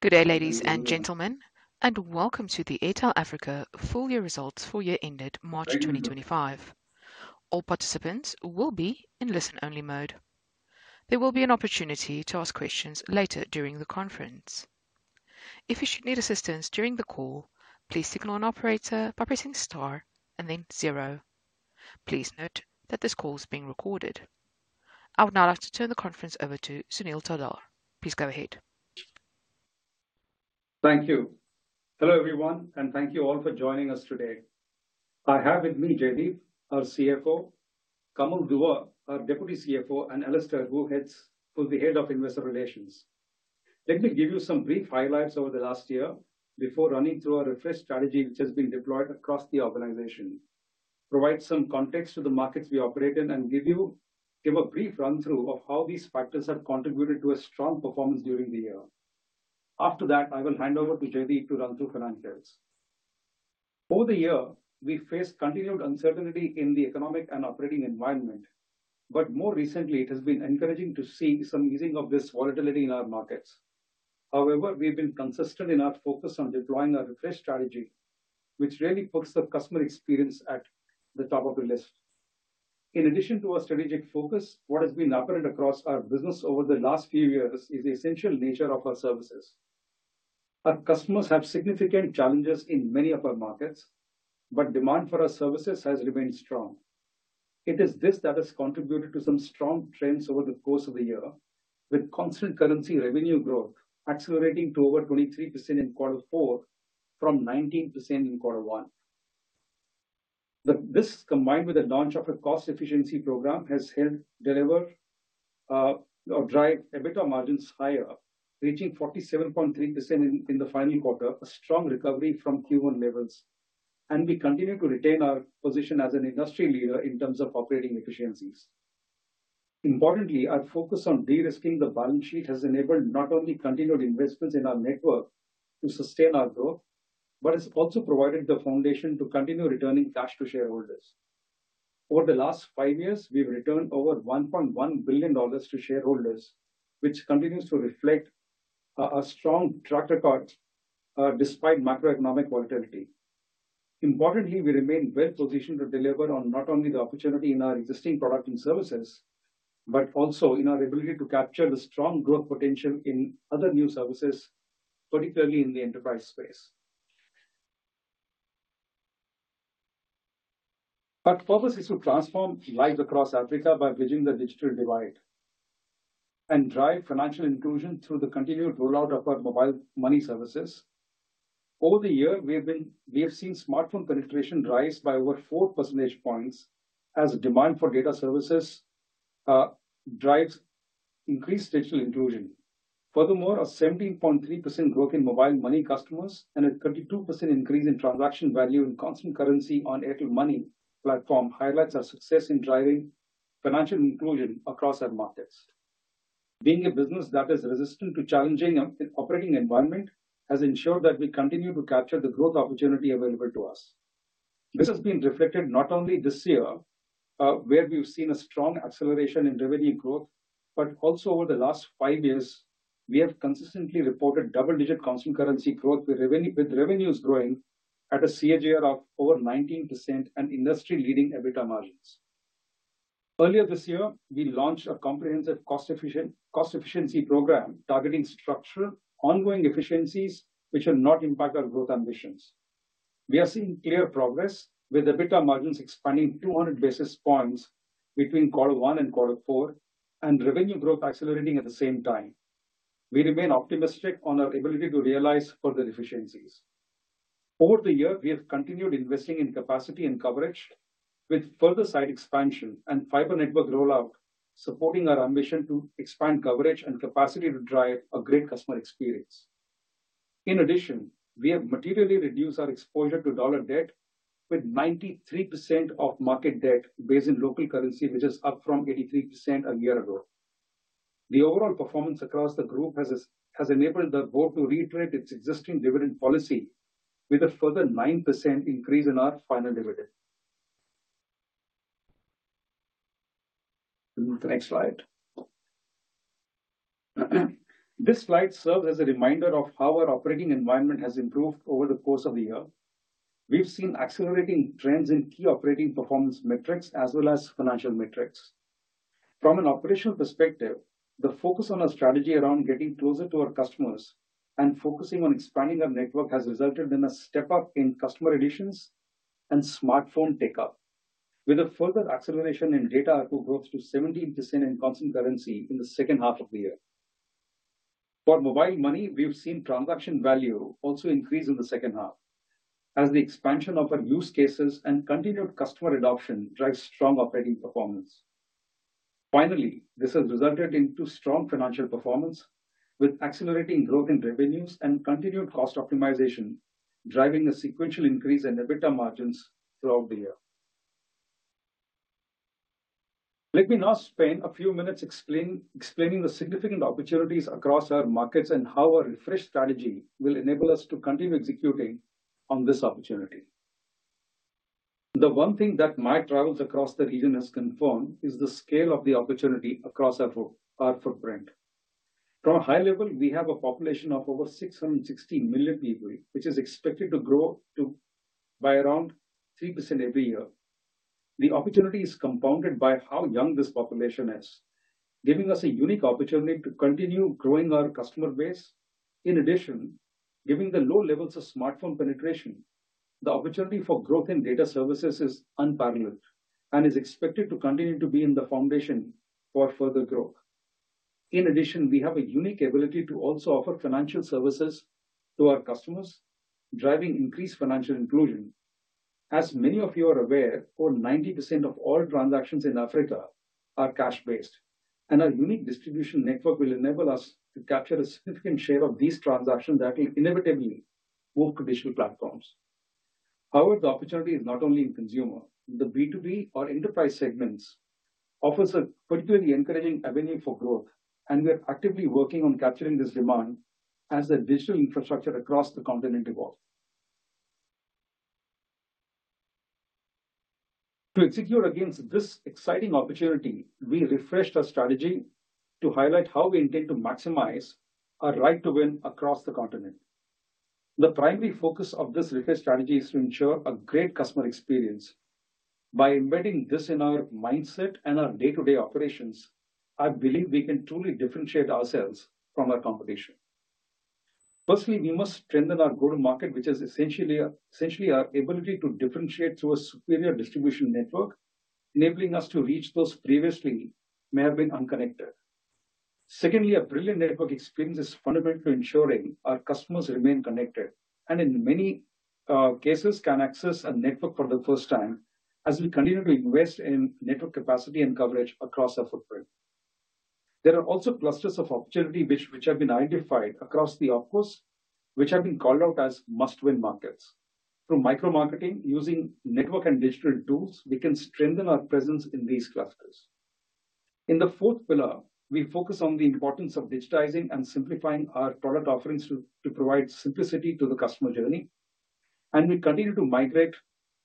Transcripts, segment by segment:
Good day, ladies and gentlemen, and welcome to the Airtel Africa full-year results for year-ended March 2025. All participants will be in listen-only mode. There will be an opportunity to ask questions later during the conference. If you should need assistance during the call, please signal an operator by pressing star and then zero. Please note that this call is being recorded. I would now like to turn the conference over to Sunil Taldar. Please go ahead. Thank you. Hello, everyone, and thank you all for joining us today. I have with me Jaideep, our CFO; Kamal Dua, our Deputy CFO; and Alastair, who is the Head of Investor Relations. Let me give you some brief highlights over the last year before running through a refreshed strategy which has been deployed across the organization, provide some context to the markets we operate in, and give you a brief run-through of how these factors have contributed to a strong performance during the year. After that, I will hand over to Jaideep to run through financials. Over the year, we faced continued uncertainty in the economic and operating environment, but more recently, it has been encouraging to see some easing of this volatility in our markets. However, we've been consistent in our focus on deploying a refreshed strategy, which really puts the customer experience at the top of the list. In addition to our strategic focus, what has been apparent across our business over the last few years is the essential nature of our services. Our customers have significant challenges in many of our markets, but demand for our services has remained strong. It is this that has contributed to some strong trends over the course of the year, with constant currency revenue growth accelerating to over 23% in quarter four from 19% in quarter one. This, combined with the launch of a cost-efficiency program, has helped deliver or drive EBITDA margins higher, reaching 47.3% in the final quarter, a strong recovery from Q1 levels, and we continue to retain our position as an industry leader in terms of operating efficiencies. Importantly, our focus on de-risking the balance sheet has enabled not only continued investments in our network to sustain our growth, but has also provided the foundation to continue returning cash to shareholders. Over the last five years, we've returned over $1.1 billion to shareholders, which continues to reflect a strong track record despite macroeconomic volatility. Importantly, we remain well-positioned to deliver on not only the opportunity in our existing product and services, but also in our ability to capture the strong growth potential in other new services, particularly in the enterprise space. Our purpose is to transform lives across Africa by bridging the digital divide and drive financial inclusion through the continued rollout of our mobile money services. Over the year, we have seen smartphone penetration rise by over 4 percentage points as demand for data services drives increased digital inclusion. Furthermore, a 17.3% growth in mobile money customers and a 32% increase in transaction value in constant currency on Airtel Money platform highlights our success in driving financial inclusion across our markets. Being a business that is resistant to challenging operating environment has ensured that we continue to capture the growth opportunity available to us. This has been reflected not only this year, where we've seen a strong acceleration in revenue growth, but also over the last five years, we have consistently reported double-digit constant currency growth, with revenues growing at a CAGR of over 19% and industry-leading EBITDA margins. Earlier this year, we launched a comprehensive cost-efficiency program targeting structural ongoing efficiencies, which will not impact our growth ambitions. We are seeing clear progress, with EBITDA margins expanding 200 basis points between quarter one and quarter four and revenue growth accelerating at the same time. We remain optimistic on our ability to realize further efficiencies. Over the year, we have continued investing in capacity and coverage, with further site expansion and fiber network rollout supporting our ambition to expand coverage and capacity to drive a great customer experience. In addition, we have materially reduced our exposure to dollar debt, with 93% of market debt based in local currency, which is up from 83% a year ago. The overall performance across the group has enabled the board to reiterate its existing dividend policy, with a further 9% increase in our final dividend. Next slide. This slide serves as a reminder of how our operating environment has improved over the course of the year. We've seen accelerating trends in key operating performance metrics as well as financial metrics. From an operational perspective, the focus on our strategy around getting closer to our customers and focusing on expanding our network has resulted in a step-up in customer additions and smartphone take-up, with a further acceleration in data growth to 17% in constant currency in the second half of the year. For mobile money, we've seen transaction value also increase in the second half, as the expansion of our use cases and continued customer adoption drives strong operating performance. Finally, this has resulted in strong financial performance, with accelerating growth in revenues and continued cost optimization driving a sequential increase in EBITDA margins throughout the year. Let me now spend a few minutes explaining the significant opportunities across our markets and how our refreshed strategy will enable us to continue executing on this opportunity. The one thing that my travels across the region has confirmed is the scale of the opportunity across our footprint. From a high level, we have a population of over 660 million people, which is expected to grow by around 3% every year. The opportunity is compounded by how young this population is, giving us a unique opportunity to continue growing our customer base. In addition, given the low levels of smartphone penetration, the opportunity for growth in data services is unparalleled and is expected to continue to be in the foundation for further growth. In addition, we have a unique ability to also offer financial services to our customers, driving increased financial inclusion. As many of you are aware, over 90% of all transactions in Africa are cash-based, and our unique distribution network will enable us to capture a significant share of these transactions that will inevitably move to digital platforms. However, the opportunity is not only in consumer. The B2B or enterprise segments offer a particularly encouraging avenue for growth, and we are actively working on capturing this demand as a digital infrastructure across the continent evolves. To execute against this exciting opportunity, we refreshed our strategy to highlight how we intend to maximize our right to win across the continent. The primary focus of this refreshed strategy is to ensure a great customer experience. By embedding this in our mindset and our day-to-day operations, I believe we can truly differentiate ourselves from our competition. Firstly, we must strengthen our go-to-market, which is essentially our ability to differentiate through a superior distribution network, enabling us to reach those previously may have been unconnected. Secondly, a brilliant network experience is fundamental to ensuring our customers remain connected and, in many cases, can access a network for the first time, as we continue to invest in network capacity and coverage across our footprint. There are also clusters of opportunity which have been identified across the footprint, which have been called out as must-win markets. Through micro-marketing, using network and digital tools, we can strengthen our presence in these clusters. In the fourth pillar, we focus on the importance of digitizing and simplifying our product offerings to provide simplicity to the customer journey, and we continue to migrate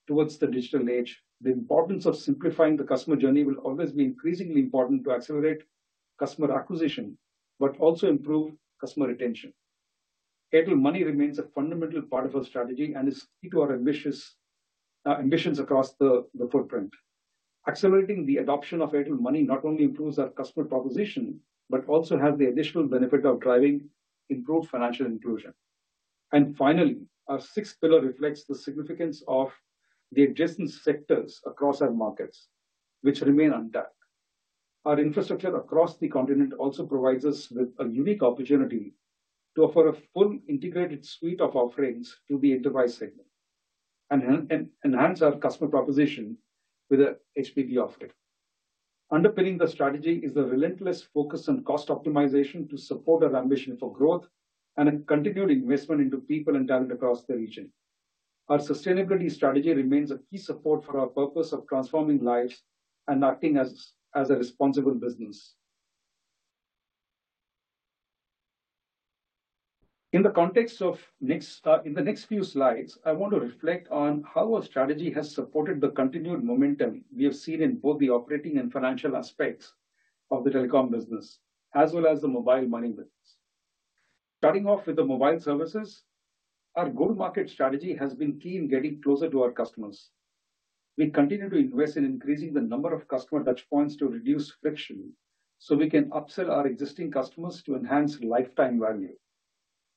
towards the digital age. The importance of simplifying the customer journey will always be increasingly important to accelerate customer acquisition, but also improve customer retention. Airtel Money remains a fundamental part of our strategy and is key to our ambitions across the footprint. Accelerating the adoption of Airtel Money not only improves our customer proposition, but also has the additional benefit of driving improved financial inclusion. And finally, our sixth pillar reflects the significance of the existing sectors across our markets, which remain untapped. Our infrastructure across the continent also provides us with a unique opportunity to offer a full integrated suite of offerings to the enterprise segment and enhance our customer proposition with an HBB offering. Underpinning the strategy is the relentless focus on cost optimization to support our ambition for growth and a continued investment into people and talent across the region. Our sustainability strategy remains a key support for our purpose of transforming lives and acting as a responsible business. In the context of the next few slides, I want to reflect on how our strategy has supported the continued momentum we have seen in both the operating and financial aspects of the telecom business, as well as the mobile money business. Starting off with the mobile services, our go-to-market strategy has been key in getting closer to our customers. We continue to invest in increasing the number of customer touchpoints to reduce friction so we can upsell our existing customers to enhance lifetime value.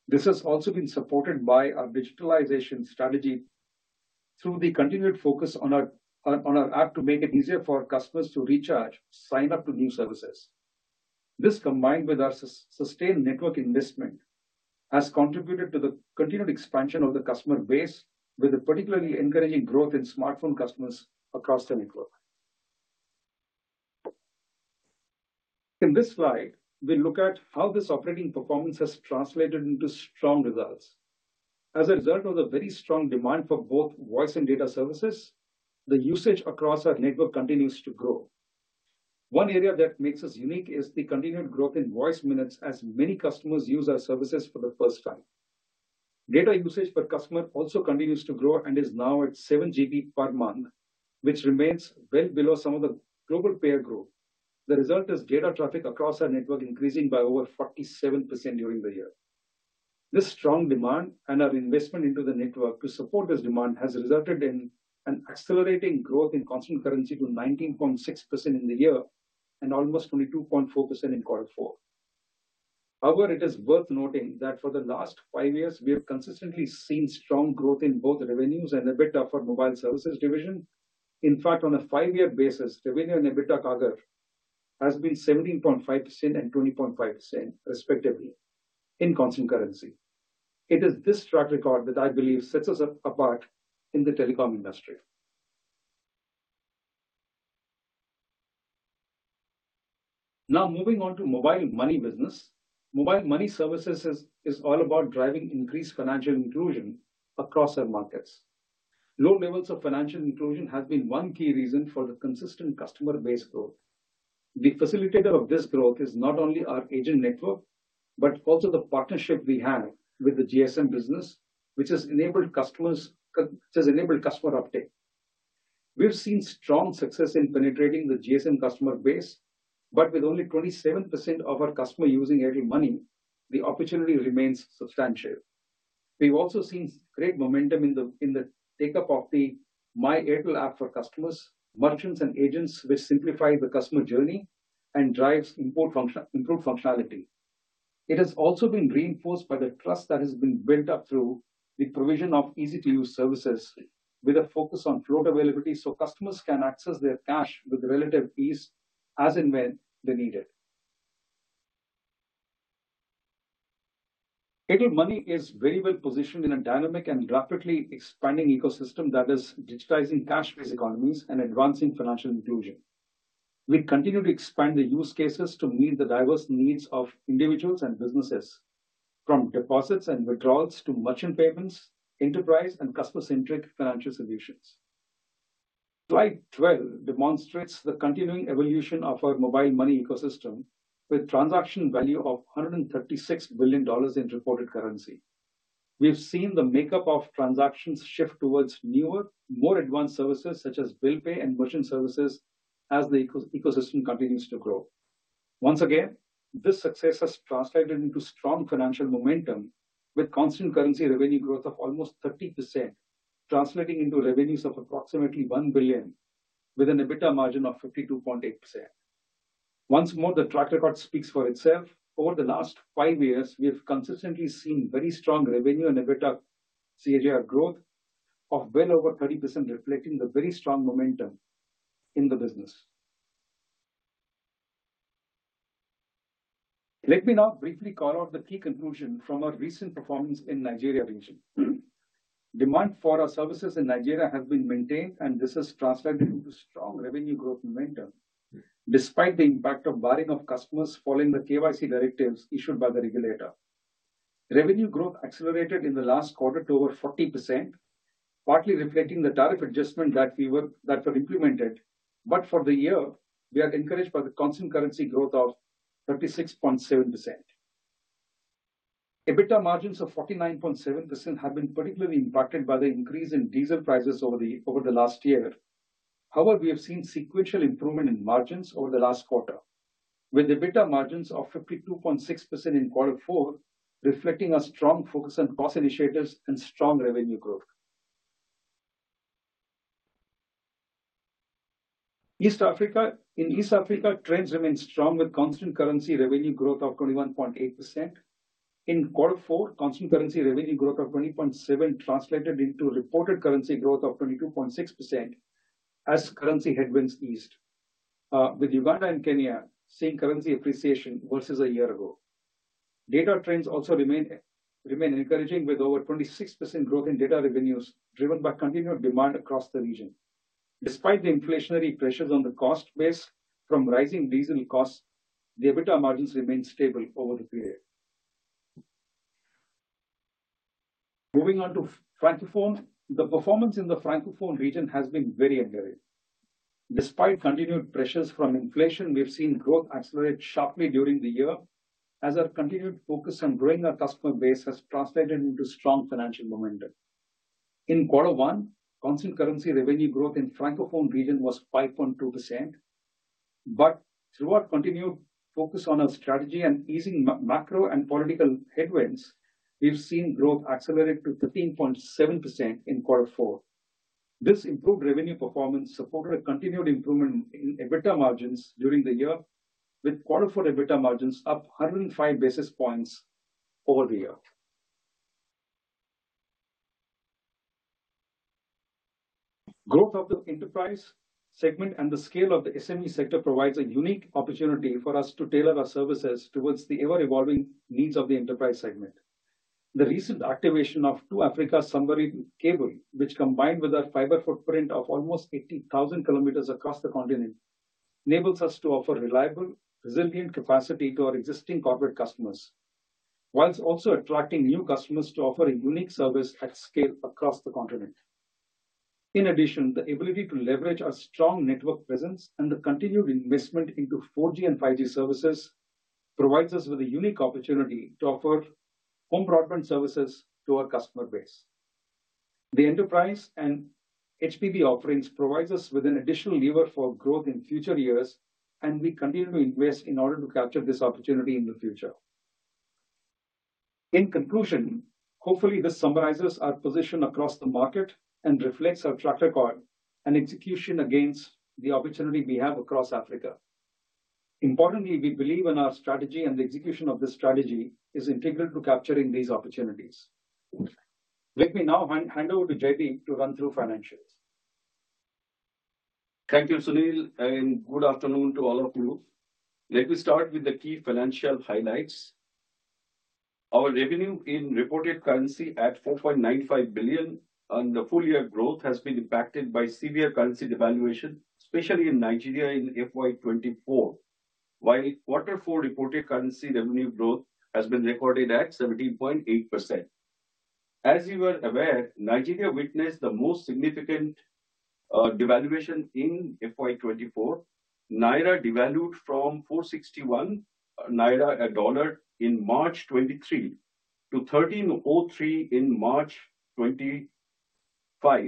This has also been supported by our digitalization strategy through the continued focus on our app to make it easier for our customers to recharge, sign up to new services. This, combined with our sustained network investment, has contributed to the continued expansion of the customer base, with a particularly encouraging growth in smartphone customers across the network. In this slide, we look at how this operating performance has translated into strong results. As a result of the very strong demand for both voice and data services, the usage across our network continues to grow. One area that makes us unique is the continued growth in voice minutes as many customers use our services for the first time. Data usage per customer also continues to grow and is now at 7 GB per month, which remains well below some of the global peer group. The result is data traffic across our network increasing by over 47% during the year. This strong demand and our investment into the network to support this demand has resulted in an accelerating growth in constant currency to 19.6% in the year and almost 22.4% in quarter four. However, it is worth noting that for the last five years, we have consistently seen strong growth in both revenues and EBITDA for mobile services division. In fact, on a five-year basis, revenue and EBITDA CAGR has been 17.5% and 20.5%, respectively, in constant currency. It is this track record that I believe sets us apart in the telecom industry. Now, moving on to mobile money business, mobile money services is all about driving increased financial inclusion across our markets. Low levels of financial inclusion have been one key reason for the consistent customer base growth. The facilitator of this growth is not only our agent network, but also the partnership we have with the GSM business, which has enabled customer uptake. We've seen strong success in penetrating the GSM customer base, but with only 27% of our customers using Airtel Money, the opportunity remains substantial. We've also seen great momentum in the take-up of the My Airtel app for customers, merchants, and agents, which simplifies the customer journey and drives improved functionality. It has also been reinforced by the trust that has been built up through the provision of easy-to-use services, with a focus on float availability so customers can access their cash with relative ease as and when they need it. Airtel Money is very well positioned in a dynamic and rapidly expanding ecosystem that is digitizing cash-based economies and advancing financial inclusion. We continue to expand the use cases to meet the diverse needs of individuals and businesses, from deposits and withdrawals to merchant payments, enterprise, and customer-centric financial solutions. Slide 12 demonstrates the continuing evolution of our mobile money ecosystem with a transaction value of $136 billion in reported currency. We've seen the makeup of transactions shift towards newer, more advanced services such as bill pay and merchant services as the ecosystem continues to grow. Once again, this success has translated into strong financial momentum with constant currency revenue growth of almost 30%, translating into revenues of approximately $1 billion, with an EBITDA margin of 52.8%. Once more, the track record speaks for itself. Over the last five years, we have consistently seen very strong revenue and EBITDA CAGR growth of well over 30%, reflecting the very strong momentum in the business. Let me now briefly call out the key conclusion from our recent performance in Nigeria region. Demand for our services in Nigeria has been maintained, and this has translated into strong revenue growth momentum despite the impact of barring of customers following the KYC directives issued by the regulator. Revenue growth accelerated in the last quarter to over 40%, partly reflecting the tariff adjustment that were implemented. But for the year, we are encouraged by the constant currency growth of 36.7%. EBITDA margins of 49.7% have been particularly impacted by the increase in diesel prices over the last year. However, we have seen sequential improvement in margins over the last quarter, with EBITDA margins of 52.6% in quarter four, reflecting a strong focus on cost initiatives and strong revenue growth. In East Africa, trends remain strong with constant currency revenue growth of 21.8%. In quarter four, constant currency revenue growth of 20.7% translated into reported currency growth of 22.6% as currency headwinds eased, with Uganda and Kenya seeing currency appreciation versus a year ago. Data trends also remain encouraging with over 26% growth in data revenues driven by continued demand across the region. Despite the inflationary pressures on the cost base from rising diesel costs, the EBITDA margins remain stable over the period. Moving on to Francophone, the performance in the Francophone region has been very encouraging. Despite continued pressures from inflation, we have seen growth accelerate sharply during the year as our continued focus on growing our customer base has translated into strong financial momentum. In quarter one, constant currency revenue growth in the Francophone region was 5.2%, but through our continued focus on our strategy and easing macro and political headwinds, we've seen growth accelerate to 13.7% in quarter four. This improved revenue performance supported a continued improvement in EBITDA margins during the year, with quarter four EBITDA margins up 105 basis points over the year. Growth of the enterprise segment and the scale of the SME sector provides a unique opportunity for us to tailor our services towards the ever-evolving needs of the enterprise segment. The recent activation of 2Africa Submarine Cable, which combined with our fiber footprint of almost 80,000 km across the continent, enables us to offer reliable, resilient capacity to our existing corporate customers, while also attracting new customers to offer a unique service at scale across the continent. In addition, the ability to leverage our strong network presence and the continued investment into 4G and 5G services provides us with a unique opportunity to offer home broadband services to our customer base. The enterprise and HBB offerings provide us with an additional lever for growth in future years, and we continue to invest in order to capture this opportunity in the future. In conclusion, hopefully this summarizes our position across the market and reflects our track record and execution against the opportunity we have across Africa. Importantly, we believe in our strategy and the execution of this strategy is integral to capturing these opportunities. Let me now hand over to Jaideep to run through financials. Thank you, Sunil, and good afternoon to all of you. Let me start with the key financial highlights. Our revenue in reported currency at $4.95 billion and the full year growth has been impacted by severe currency devaluation, especially in Nigeria in FY24, while quarter four reported currency revenue growth has been recorded at 17.8%. As you are aware, Nigeria witnessed the most significant devaluation in FY24. Naira devalued from 461 naira a dollar in March 2023 to 1303 in March 2024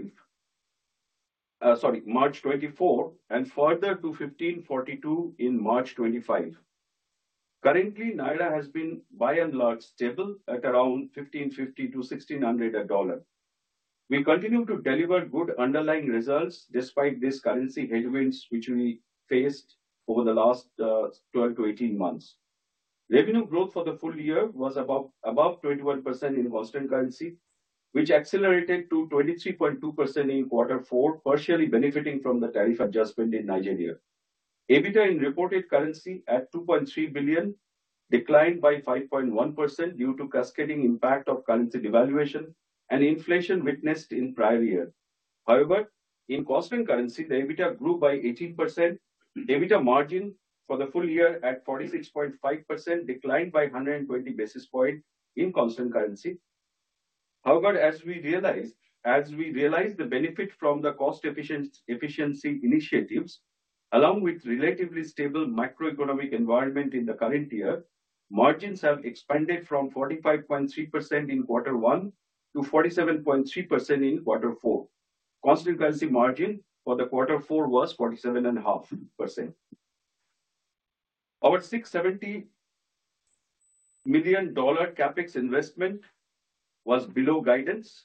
and further to 1542 in March 2025. Currently, Naira has been by and large stable at around 1550-1600 a dollar. We continue to deliver good underlying results despite these currency headwinds which we faced over the last 12-18 months. Revenue growth for the full year was about above 21% in constant currency, which accelerated to 23.2% in quarter four, partially benefiting from the tariff adjustment in Nigeria. EBITDA in reported currency at $2.3 billion declined by 5.1% due to cascading impact of currency devaluation and inflation witnessed in prior year. However, in constant currency, the EBITDA grew by 18%. EBITDA margin for the full year at 46.5% declined by 120 basis points in constant currency. However, as we realized the benefit from the cost efficiency initiatives, along with relatively stable macroeconomic environment in the current year, margins have expanded from 45.3% in quarter one to 47.3% in quarter four. Constant currency margin for the quarter four was 47.5%. Our $670 million CapEx investment was below guidance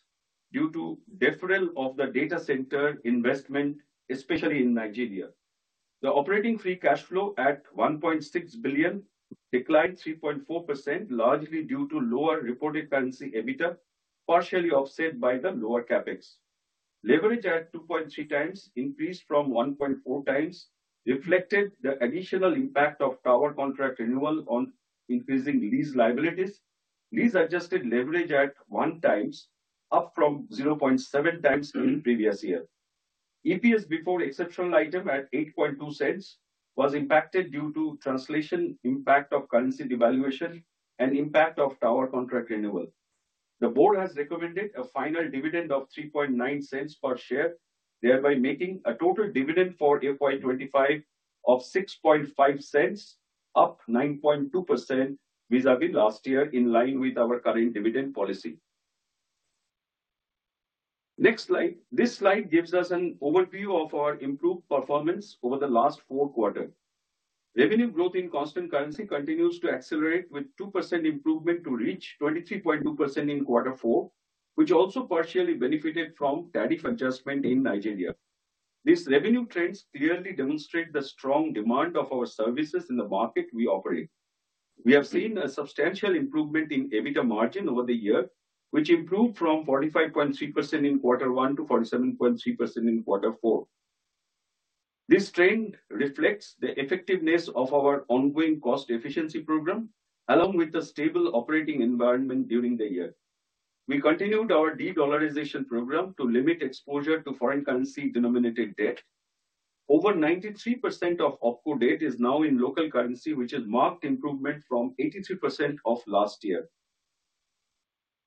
due to deferral of the data center investment, especially in Nigeria. The operating free cash flow at $1.6 billion declined 3.4%, largely due to lower reported currency EBITDA, partially offset by the lower CapEx. Leverage at 2.3x increased from 1.4x reflected the additional impact of power contract renewal on increasing lease liabilities. Lease adjusted leverage at 1x up from 0.7x in previous year. EPS before exceptional item at $0.082 was impacted due to translation impact of currency devaluation and impact of power contract renewal. The board has recommended a final dividend of $0.039 per share, thereby making a total dividend for FY25 of $0.065, up 9.2% vis-à-vis last year in line with our current dividend policy. Next slide. This slide gives us an overview of our improved performance over the last four quarters. Revenue growth in constant currency continues to accelerate with 2% improvement to reach 23.2% in quarter four, which also partially benefited from tariff adjustment in Nigeria. These revenue trends clearly demonstrate the strong demand of our services in the market we operate. We have seen a substantial improvement in EBITDA margin over the year, which improved from 45.3% in quarter one to 47.3% in quarter four. This trend reflects the effectiveness of our ongoing cost efficiency program, along with the stable operating environment during the year. We continued our de-dollarization program to limit exposure to foreign currency-denominated debt. Over 93% of OpCo debt is now in local currency, which is marked improvement from 83% of last year.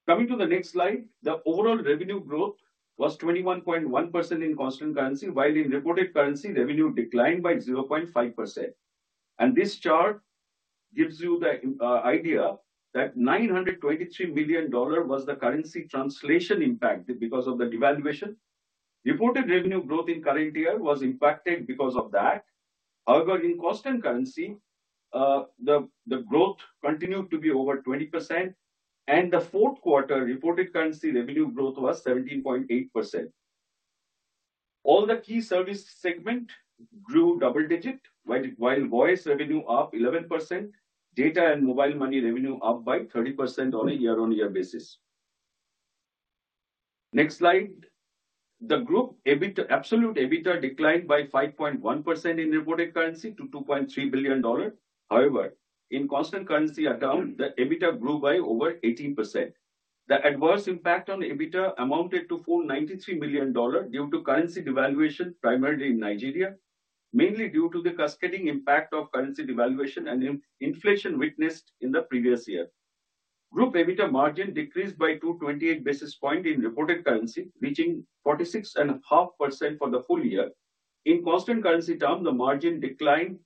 Coming to the next slide, the overall revenue growth was 21.1% in constant currency, while in reported currency, revenue declined by 0.5%, and this chart gives you the idea that $923 million was the currency translation impact because of the devaluation. Reported revenue growth in current year was impacted because of that. However, in constant currency, the growth continued to be over 20%, and the fourth quarter reported currency revenue growth was 17.8%. All the key service segment grew double digit, while voice revenue up 11%, data and mobile money revenue up by 30% on a year-on-year basis. Next slide. The group absolute EBITDA declined by 5.1% in reported currency to $2.3 billion. However, in constant currency at terms, the EBITDA grew by over 18%. The adverse impact on EBITDA amounted to $493 million due to currency devaluation primarily in Nigeria, mainly due to the cascading impact of currency devaluation and inflation witnessed in the previous year. Group EBITDA margin decreased by 228 basis points in reported currency, reaching 46.5% for the full year. In constant currency terms, the margin declined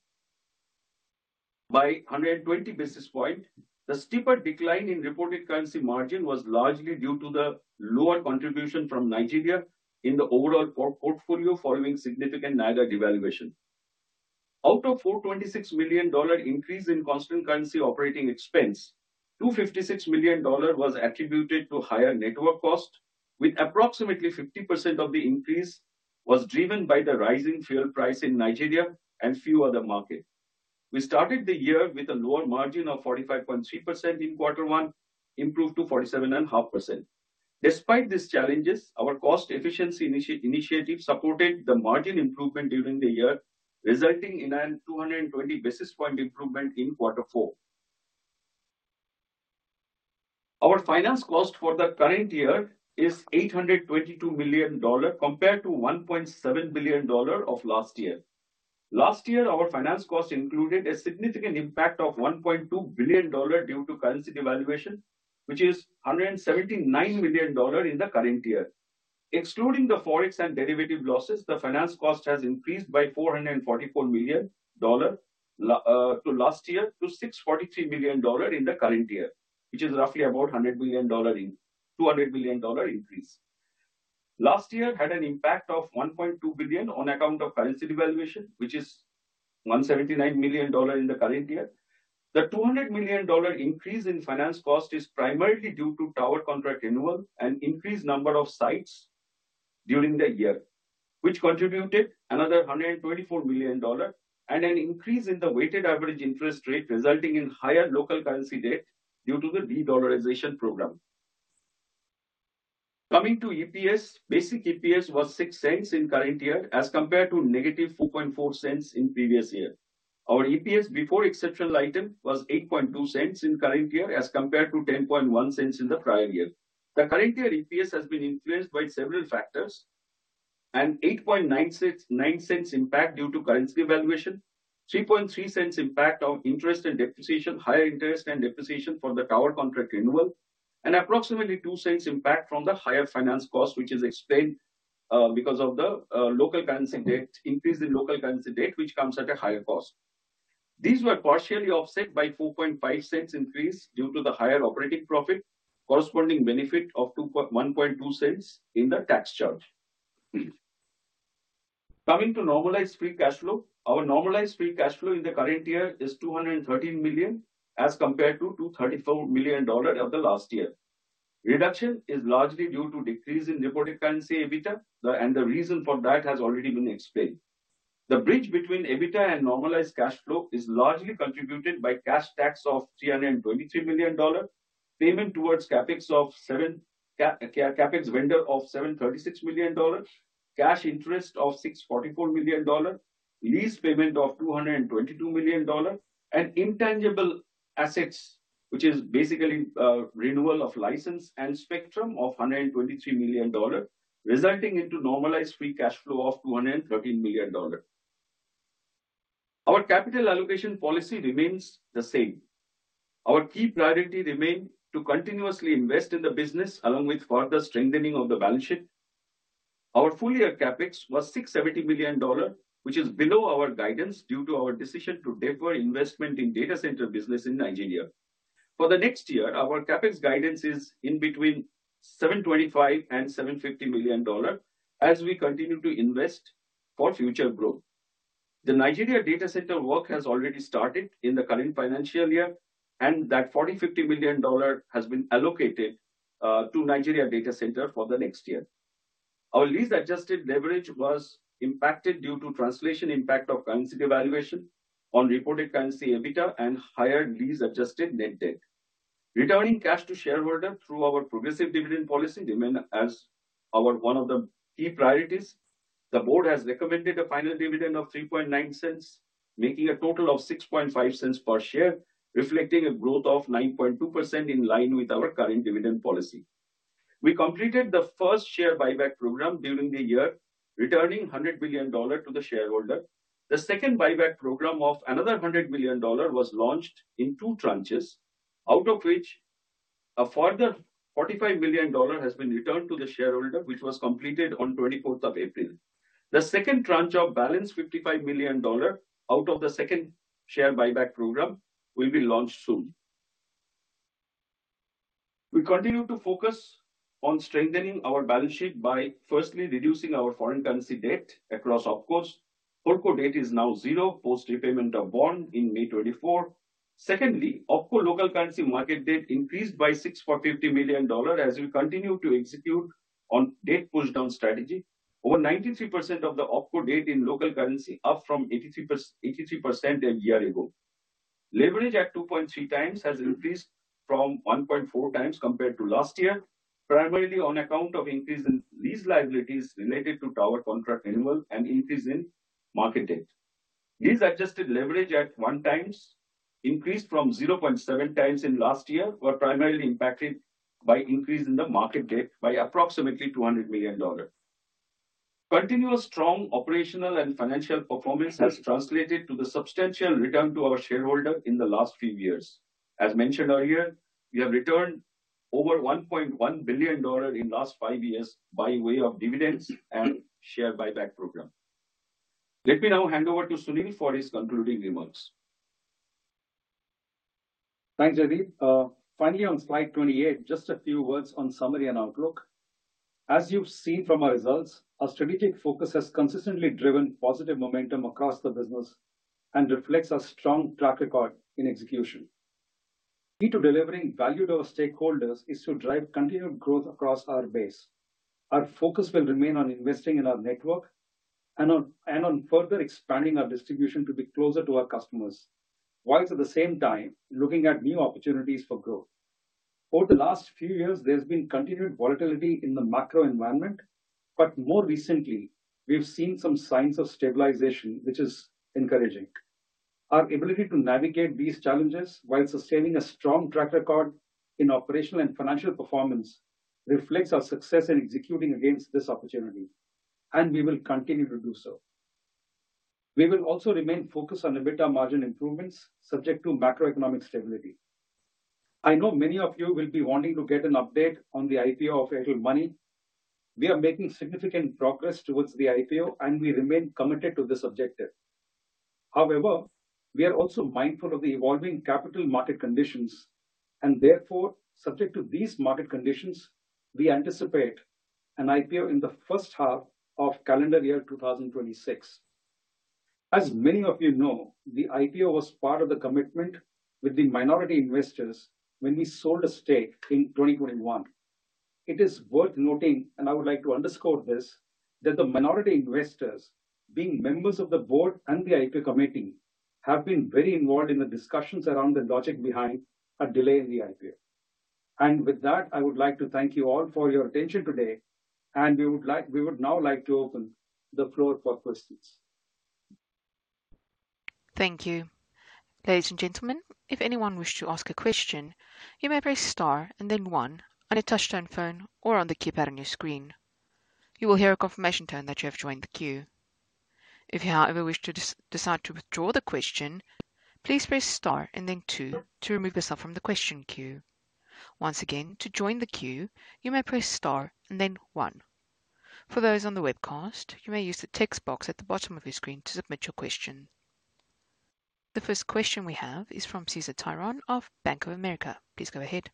by 120 basis points. The steeper decline in reported currency margin was largely due to the lower contribution from Nigeria in the overall portfolio following significant Naira devaluation. Out of $426 million increase in constant currency operating expense, $256 million was attributed to higher network cost, with approximately 50% of the increase driven by the rising fuel price in Nigeria and few other markets. We started the year with a lower margin of 45.3% in quarter one, improved to 47.5%. Despite these challenges, our cost efficiency initiative supported the margin improvement during the year, resulting in a 220 basis points improvement in quarter four. Our finance cost for the current year is $822 million compared to $1.7 billion of last year. Last year, our finance cost included a significant impact of $1.2 billion due to currency devaluation, which is $179 million in the current year. Excluding the forex and derivative losses, the finance cost has increased by $444 million to last year to $643 million in the current year, which is roughly about $100 million in $200 million increase. Last year had an impact of $1.2 billion on account of currency devaluation, which is $179 million in the current year. The $200 million increase in finance cost is primarily due to tower contract renewal and increased number of sites during the year, which contributed another $124 million and an increase in the weighted average interest rate, resulting in higher local currency debt due to the de-dollarization program. Coming to EPS, basic EPS was $0.06 in current year as compared to negative $0.44 in previous year. Our EPS before exceptional item was $0.82 in current year as compared to $0.101 in the prior year. The current year EPS has been influenced by several factors: an $0.089 impact due to currency devaluation, $0.33 impact of interest and depreciation, higher interest and depreciation for the tower contract renewal, and approximately $0.02 impact from the higher finance cost, which is explained because of the local currency debt, increase in local currency debt, which comes at a higher cost. These were partially offset by $0.45 increase due to the higher operating profit, corresponding benefit of $0.12 in the tax charge. Coming to normalized free cash flow, our normalized free cash flow in the current year is $213 million as compared to $234 million of the last year. Reduction is largely due to decrease in reported currency EBITDA, and the reason for that has already been explained. The bridge between EBITDA and normalized cash flow is largely contributed by cash tax of $323 million, payment towards CapEx of CapEx vendor of $736 million, cash interest of $644 million, lease payment of $222 million, and intangible assets, which is basically renewal of license and spectrum of $123 million, resulting into normalized free cash flow of $213 million. Our capital allocation policy remains the same. Our key priority remained to continuously invest in the business along with further strengthening of the balance sheet. Our full year CapEx was $670 million, which is below our guidance due to our decision to defer investment in data center business in Nigeria. For the next year, our CapEx guidance is in between $725 million and $750 million as we continue to invest for future growth. The Nigeria data center work has already started in the current financial year, and that $40 million-$50 million has been allocated to Nigeria data center for the next year. Our lease adjusted leverage was impacted due to translation impact of currency devaluation on reported currency EBITDA and higher lease adjusted net debt. Returning cash to shareholder through our progressive dividend policy remains as our one of the key priorities. The board has recommended a final dividend of $0.39, making a total of $0.65 per share, reflecting a growth of 9.2% in line with our current dividend policy. We completed the first share buyback program during the year, returning $100 million to the shareholder. The second buyback program of another $100 million was launched in two tranches, out of which a further $45 million has been returned to the shareholder, which was completed on 24th of April. The second tranche of balance $55 million out of the second share buyback program will be launched soon. We continue to focus on strengthening our balance sheet by firstly reducing our foreign currency debt across OpCos. OpCo debt is now zero post repayment of bond in May 2024. Secondly, OpCo local currency market debt increased by $650 million as we continue to execute on debt pushdown strategy. Over 93% of the OpCo debt in local currency up from 83% a year ago. Leverage at 2.3x has increased from 1.4x compared to last year, primarily on account of increase in lease liabilities related to tower contract renewal and increase in market debt. Lease adjusted leverage at 1x increased from 0.7x in last year, but primarily impacted by increase in the market debt by approximately $200 million. Continuous strong operational and financial performance has translated to the substantial return to our shareholder in the last few years. As mentioned earlier, we have returned over $1.1 billion in last five years by way of dividends and share buyback program. Let me now hand over to Sunil for his concluding remarks. Thanks, Jaideep. Finally, on slide 28, just a few words on summary and outlook. As you've seen from our results, our strategic focus has consistently driven positive momentum across the business and reflects our strong track record in execution. Key to delivering value to our stakeholders is to drive continued growth across our base. Our focus will remain on investing in our network and on further expanding our distribution to be closer to our customers, whilst at the same time looking at new opportunities for growth. Over the last few years, there's been continued volatility in the macro environment, but more recently, we've seen some signs of stabilization, which is encouraging. Our ability to navigate these challenges while sustaining a strong track record in operational and financial performance reflects our success in executing against this opportunity, and we will continue to do so. We will also remain focused on EBITDA margin improvements subject to macroeconomic stability. I know many of you will be wanting to get an update on the IPO of Airtel Money. We are making significant progress towards the IPO, and we remain committed to this objective. However, we are also mindful of the evolving capital market conditions, and therefore, subject to these market conditions, we anticipate an IPO in the first half of calendar year 2026. As many of you know, the IPO was part of the commitment with the minority investors when we sold a stake in 2021. It is worth noting, and I would like to underscore this, that the minority investors, being members of the board and the IPO committee, have been very involved in the discussions around the logic behind a delay in the IPO. And with that, I would like to thank you all for your attention today, and we would now like to open the floor for questions. Thank you. Ladies and gentlemen, if anyone wished to ask a question, you may press star and then one on a touch-tone phone or on the keypad on your screen. You will hear a confirmation tone that you have joined the queue. If you, however, wish to decide to withdraw the question, please press star and then two to remove yourself from the question queue. Once again, to join the queue, you may press star and then one. For those on the webcast, you may use the text box at the bottom of your screen to submit your question. The first question we have is from Cesar Tiron of Bank of America. Please go ahead.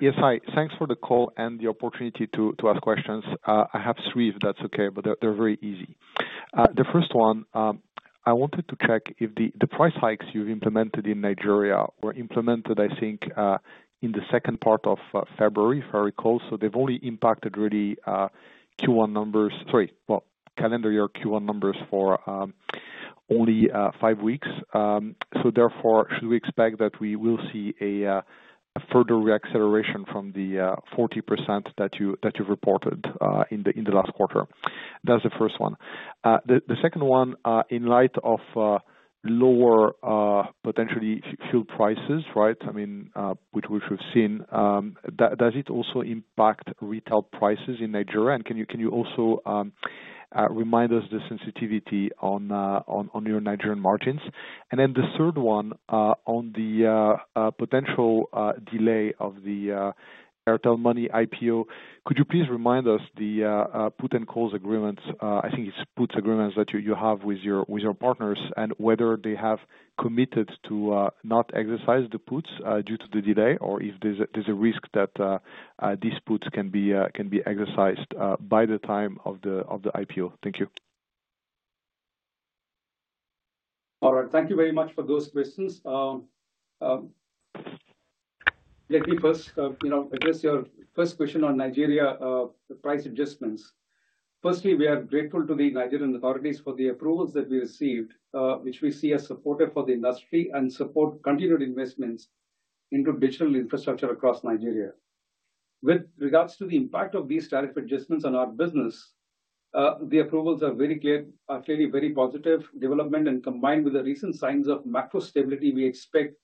Yes, hi. Thanks for the call and the opportunity to ask questions. I have three, if that's okay, but they're very easy. The first one, I wanted to check if the price hikes you've implemented in Nigeria were implemented, I think, in the second part of February, if I recall. So they've only impacted really Q1 numbers, sorry, well, calendar year Q1 numbers for only five weeks. So therefore, should we expect that we will see a further reacceleration from the 40% that you've reported in the last quarter? That's the first one. The second one, in light of lower potentially fuel prices, right, I mean, which we've seen, does it also impact retail prices in Nigeria? And can you also remind us the sensitivity on your Nigerian margins? And then the third one on the potential delay of the Airtel Money IPO, could you please remind us the put and call agreements, I think it's put agreements that you have with your partners and whether they have committed to not exercise the puts due to the delay or if there's a risk that these puts can be exercised by the time of the IPO? Thank you. All right. Thank you very much for those questions. Let me first address your first question on Nigeria price adjustments. Firstly, we are grateful to the Nigerian authorities for the approvals that we received, which we see as supportive for the industry and support continued investments into digital infrastructure across Nigeria. With regards to the impact of these tariff adjustments on our business, the approvals are very clearly very positive development, and combined with the recent signs of macro stability, we expect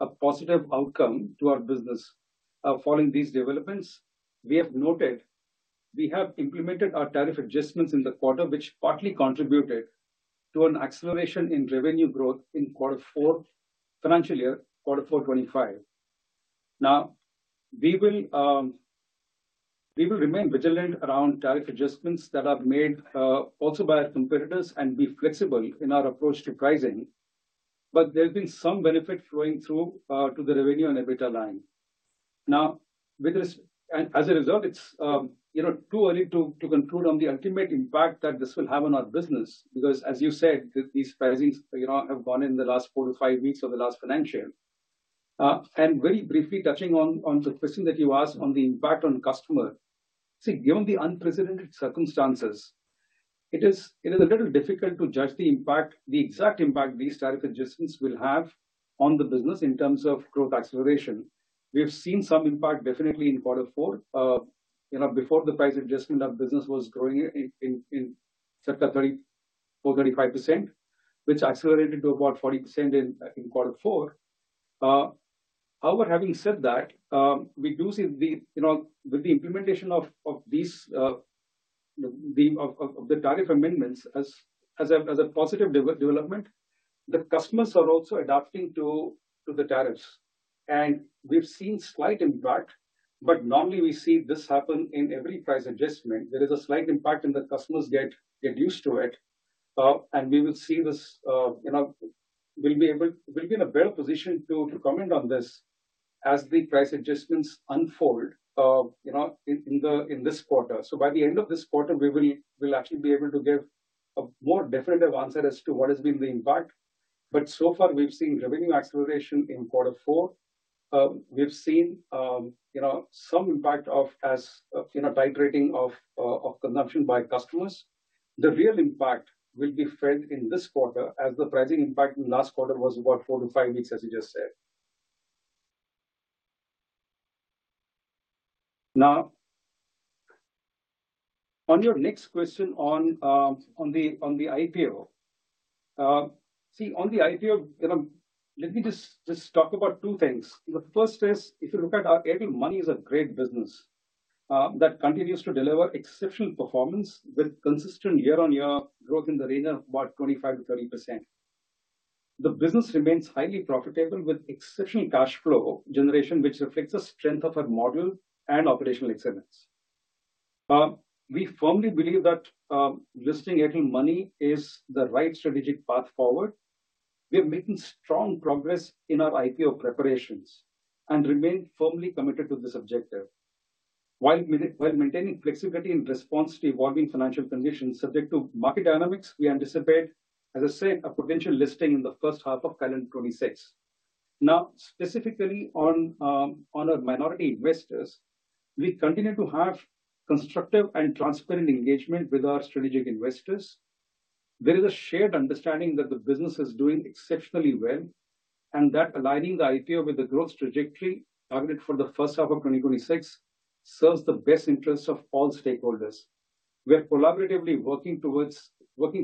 a positive outcome to our business. Following these developments, we have noted we have implemented our tariff adjustments in the quarter, which partly contributed to an acceleration in revenue growth in quarter four, financial year, quarter four 2025. Now, we will remain vigilant around tariff adjustments that are made also by our competitors and be flexible in our approach to pricing, but there's been some benefit flowing through to the revenue and EBITDA line. Now, as a result, it's too early to conclude on the ultimate impact that this will have on our business because, as you said, these pricings have gone in the last four to five weeks of the last financial year. Very briefly touching on the question that you asked on the impact on the customer base, given the unprecedented circumstances, it is a little difficult to judge the exact impact these tariff adjustments will have on the business in terms of growth acceleration. We've seen some impact definitely in quarter four. Before the price adjustment, our business was growing in circa 34%-35%, which accelerated to about 40% in quarter four. However, having said that, we do see the implementation of the tariff amendments as a positive development. The customers are also adapting to the tariffs. And we've seen slight impact, but normally we see this happen in every price adjustment. There is a slight impact and the customers get used to it. We will see this. We'll be in a better position to comment on this as the price adjustments unfold in this quarter. By the end of this quarter, we will actually be able to give a more definitive answer as to what has been the impact. So far, we've seen revenue acceleration in quarter four. We've seen some impact of titrating of consumption by customers. The real impact will be felt in this quarter as the pricing impact in last quarter was about four to five weeks, as you just said. Now, on your next question on the IPO, see, on the IPO, let me just talk about two things. The first is, if you look at our Airtel Money, it's a great business that continues to deliver exceptional performance with consistent year-on-year growth in the range of about 25%-30%. The business remains highly profitable with exceptional cash flow generation, which reflects the strength of our model and operational excellence. We firmly believe that listing Airtel Money is the right strategic path forward. We are making strong progress in our IPO preparations and remain firmly committed to this objective. While maintaining flexibility in response to evolving financial conditions subject to market dynamics, we anticipate, as I said, a potential listing in the first half of calendar 2026. Now, specifically on our minority investors, we continue to have constructive and transparent engagement with our strategic investors. There is a shared understanding that the business is doing exceptionally well and that aligning the IPO with the growth trajectory targeted for the first half of 2026 serves the best interests of all stakeholders. We are collaboratively working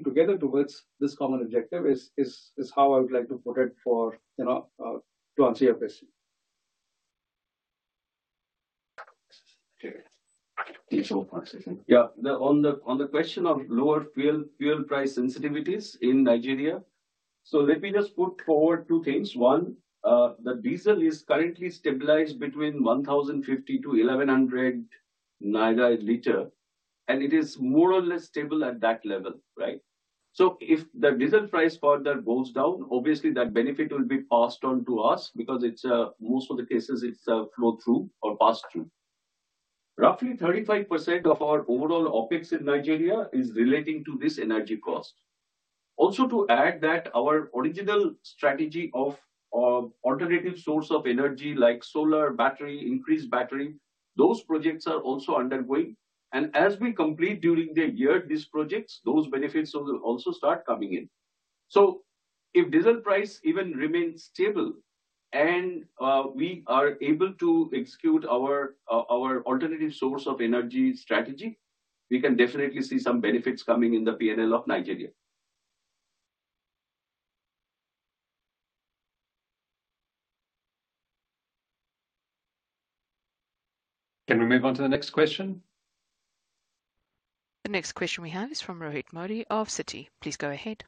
together towards this common objective is how I would like to put it to answer your question. Yeah, on the question of lower fuel price sensitivities in Nigeria, so let me just put forward two things. One, the diesel is currently stabilized between 1,050-1,100 naira a liter, and it is more or less stable at that level, right? So if the diesel price further goes down, obviously that benefit will be passed on to us because in most of the cases, it's a flow-through or pass-through. Roughly 35% of our overall OpEx in Nigeria is relating to this energy cost. Also to add that our original strategy of alternative source of energy like solar battery, increased battery; those projects are also undergoing, and as we complete during the year these projects, those benefits will also start coming in. So if diesel price even remains stable and we are able to execute our alternative source of energy strategy, we can definitely see some benefits coming in the P&L of Nigeria. Can we move on to the next question? The next question we have is from Rohit Modi of Citi. Please go ahead.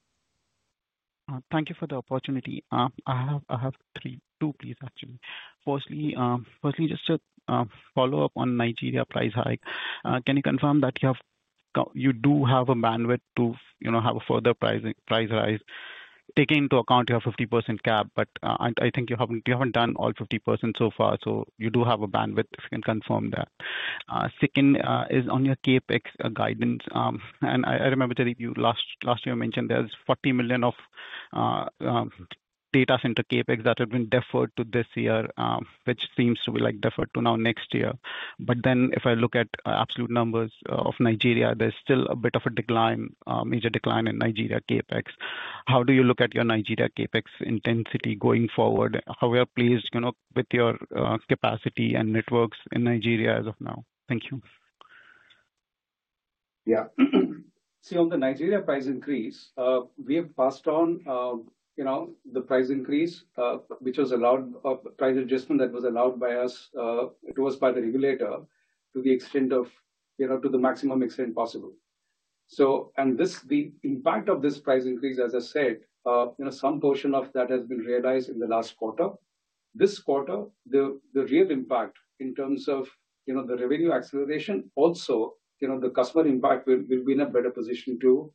Thank you for the opportunity. I have three, two piece actually. Firstly, just to follow up on Nigeria price hike, can you confirm that you do have a bandwidth to have a further price rise taken into account? You have 50% cap, but I think you haven't done all 50% so far, so you do have a bandwidth if you can confirm that. Second is on your CapEx guidance, and I remember, Jaideep, last year you mentioned there's $40 million of data center CapEx that have been deferred to this year, which seems to be deferred to now next year. But then if I look at absolute numbers of Nigeria, there's still a bit of a decline, major decline in Nigeria CapEx. How do you look at your Nigeria CapEx intensity going forward? How well placed with your capacity and networks in Nigeria as of now? Thank you. Yeah. See, on the Nigeria price increase, we have passed on the price increase, which was allowed price adjustment that was allowed by the regulator to the maximum extent possible, and the impact of this price increase, as I said, some portion of that has been realized in the last quarter. This quarter, the real impact in terms of the revenue acceleration, also the customer impact will be in a better position to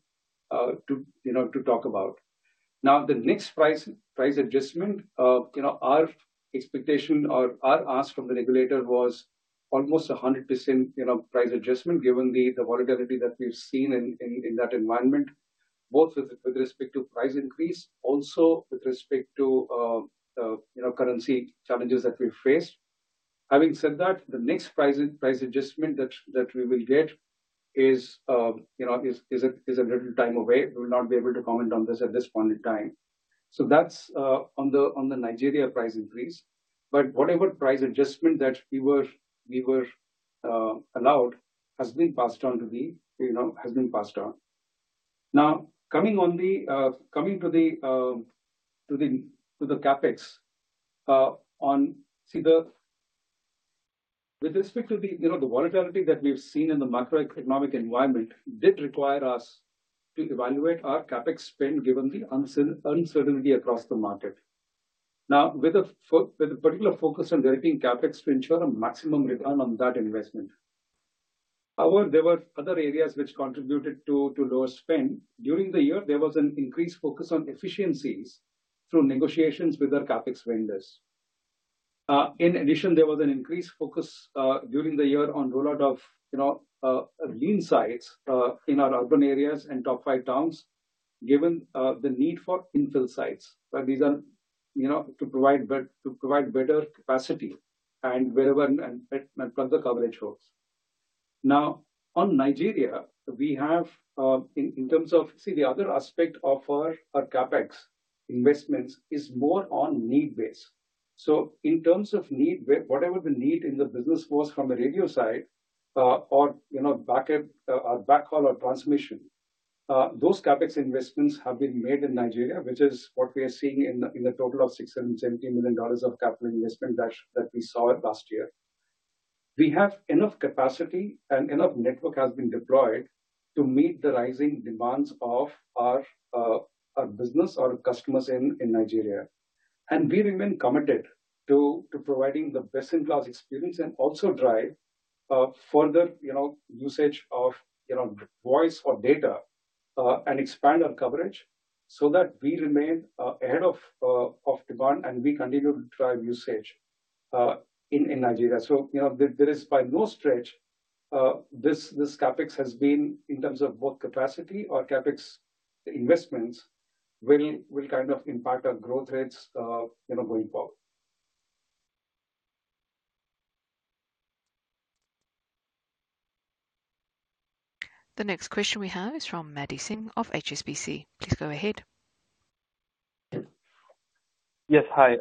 talk about. Now, the next price adjustment, our expectation or our ask from the regulator was almost 100% price adjustment given the volatility that we've seen in that environment, both with respect to price increase, also with respect to currency challenges that we've faced. Having said that, the next price adjustment that we will get is a little time away. We will not be able to comment on this at this point in time. So that's on the Nigeria price increase. But whatever price adjustment that we were allowed has been passed on. Now, coming to the CapEx, see, with respect to the volatility that we've seen in the macroeconomic environment, did require us to evaluate our CapEx spend given the uncertainty across the market. Now, with a particular focus on directing CapEx to ensure a maximum return on that investment. However, there were other areas which contributed to lower spend. During the year, there was an increased focus on efficiencies through negotiations with our CapEx vendors. In addition, there was an increased focus during the year on rollout of lean sites in our urban areas and top five towns given the need for infill sites. These are to provide better capacity and further coverage holds. Now, on Nigeria, we have in terms of, see, the other aspect of our CapEx investments is more on need-based. So in terms of need, whatever the need in the business was from a radio side or backhaul or transmission, those CapEx investments have been made in Nigeria, which is what we are seeing in the total of $670 million of capital investment that we saw last year. We have enough capacity and enough network has been deployed to meet the rising demands of our business or customers in Nigeria. And we remain committed to providing the best-in-class experience and also drive further usage of voice or data and expand our coverage so that we remain ahead of demand and we continue to drive usage in Nigeria. So there is by no stretch this CapEx has been in terms of both capacity or CapEx investments will kind of impact our growth rates going forward. The next question we have is from Maddy Singh of HSBC. Please go ahead. Yes, hi.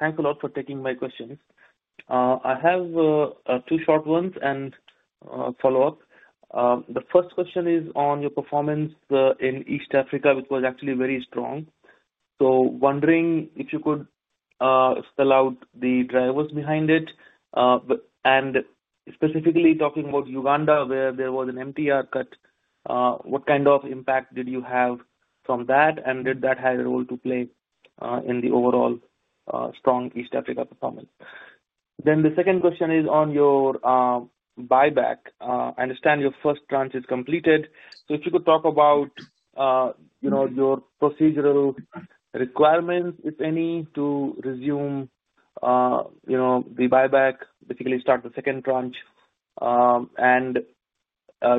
Thanks a lot for taking my questions. I have two short ones and follow-up. The first question is on your performance in East Africa, which was actually very strong. So wondering if you could spell out the drivers behind it. And specifically talking about Uganda, where there was an MTR cut, what kind of impact did you have from that? And did that have a role to play in the overall strong East Africa performance? Then the second question is on your buyback. I understand your first tranche is completed. So if you could talk about your procedural requirements, if any, to resume the buyback, basically start the second tranche. And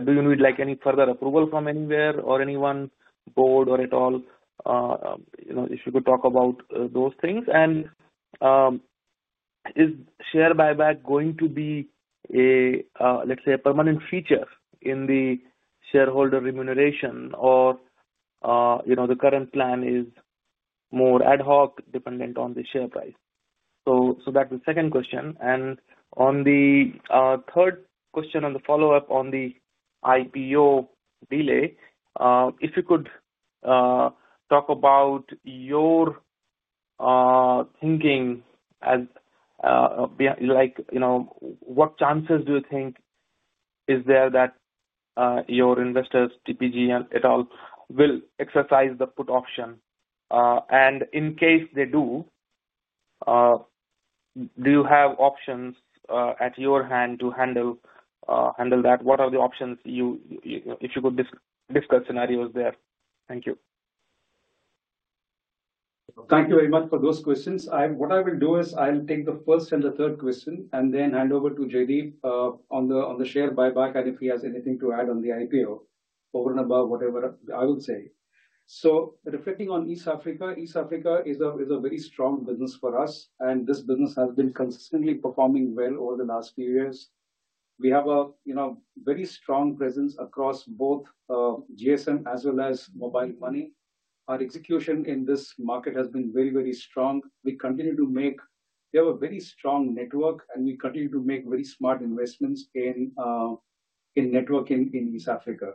do you need any further approval from anywhere or anyone board or at all? If you could talk about those things. And is share buyback going to be, let's say, a permanent feature in the shareholder remuneration or the current plan is more ad hoc dependent on the share price? So that's the second question. And on the third question on the follow-up on the IPO delay, if you could talk about your thinking like what chances do you think is there that your investors, TPG and et al., will exercise the put option? And in case they do, do you have options at your hand to handle that? What are the options if you could discuss scenarios there? Thank you. Thank you very much for those questions. What I will do is I'll take the first and the third question and then hand over to Jaideep on the share buyback and if he has anything to add on the IPO, over and above whatever I will say. So reflecting on East Africa, East Africa is a very strong business for us, and this business has been consistently performing well over the last few years. We have a very strong presence across both GSM as well as mobile money. Our execution in this market has been very, very strong. We continue to make sure we have a very strong network, and we continue to make very smart investments in networking in East Africa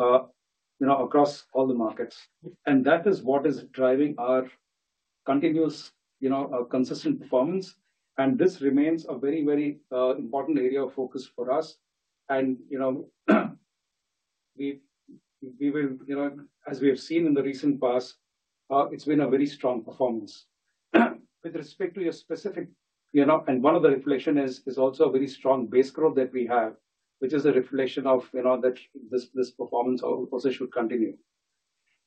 across all the markets. That is what is driving our continuous consistent performance. This remains a very, very important area of focus for us. As we have seen in the recent past, it's been a very strong performance. With respect to your specific, and one of the reflections is also a very strong base growth that we have, which is a reflection of that this performance also should continue.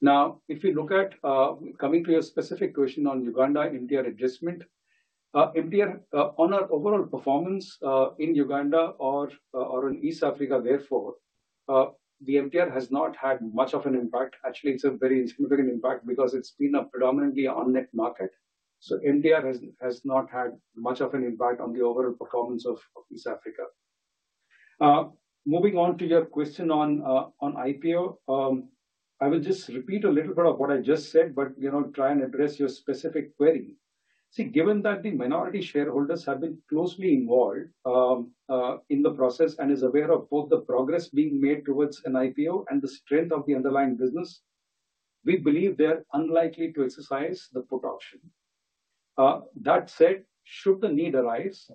Now, if you look at coming to your specific question on Uganda MTR adjustment, on our overall performance in Uganda or in East Africa, therefore, the MTR has not had much of an impact. Actually, it's a very significant impact because it's been a predominantly on-net market. MTR has not had much of an impact on the overall performance of East Africa. Moving on to your question on IPO, I will just repeat a little bit of what I just said, but try and address your specific query. See, given that the minority shareholders have been closely involved in the process and are aware of both the progress being made towards an IPO and the strength of the underlying business, we believe they are unlikely to exercise the put option. That said, should the need arise,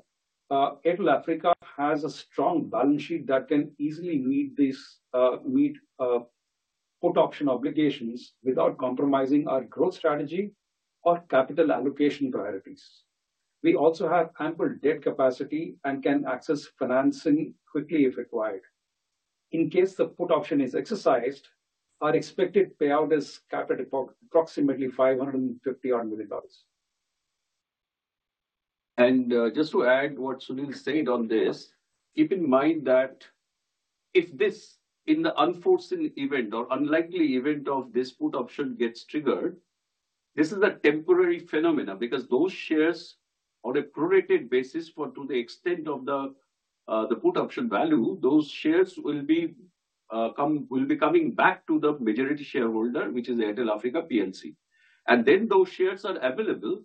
Airtel Africa has a strong balance sheet that can easily meet put option obligations without compromising our growth strategy or capital allocation priorities. We also have ample debt capacity and can access financing quickly if required. In case the put option is exercised, our expected payout is approximately $550 million. Just to add what Sunil said on this, keep in mind that if this in the unforeseen event or unlikely event of this put option gets triggered, this is a temporary phenomenon because those shares on a prorated basis for to the extent of the put option value, those shares will be coming back to the majority shareholder, which is Airtel Africa PLC. Then those shares are available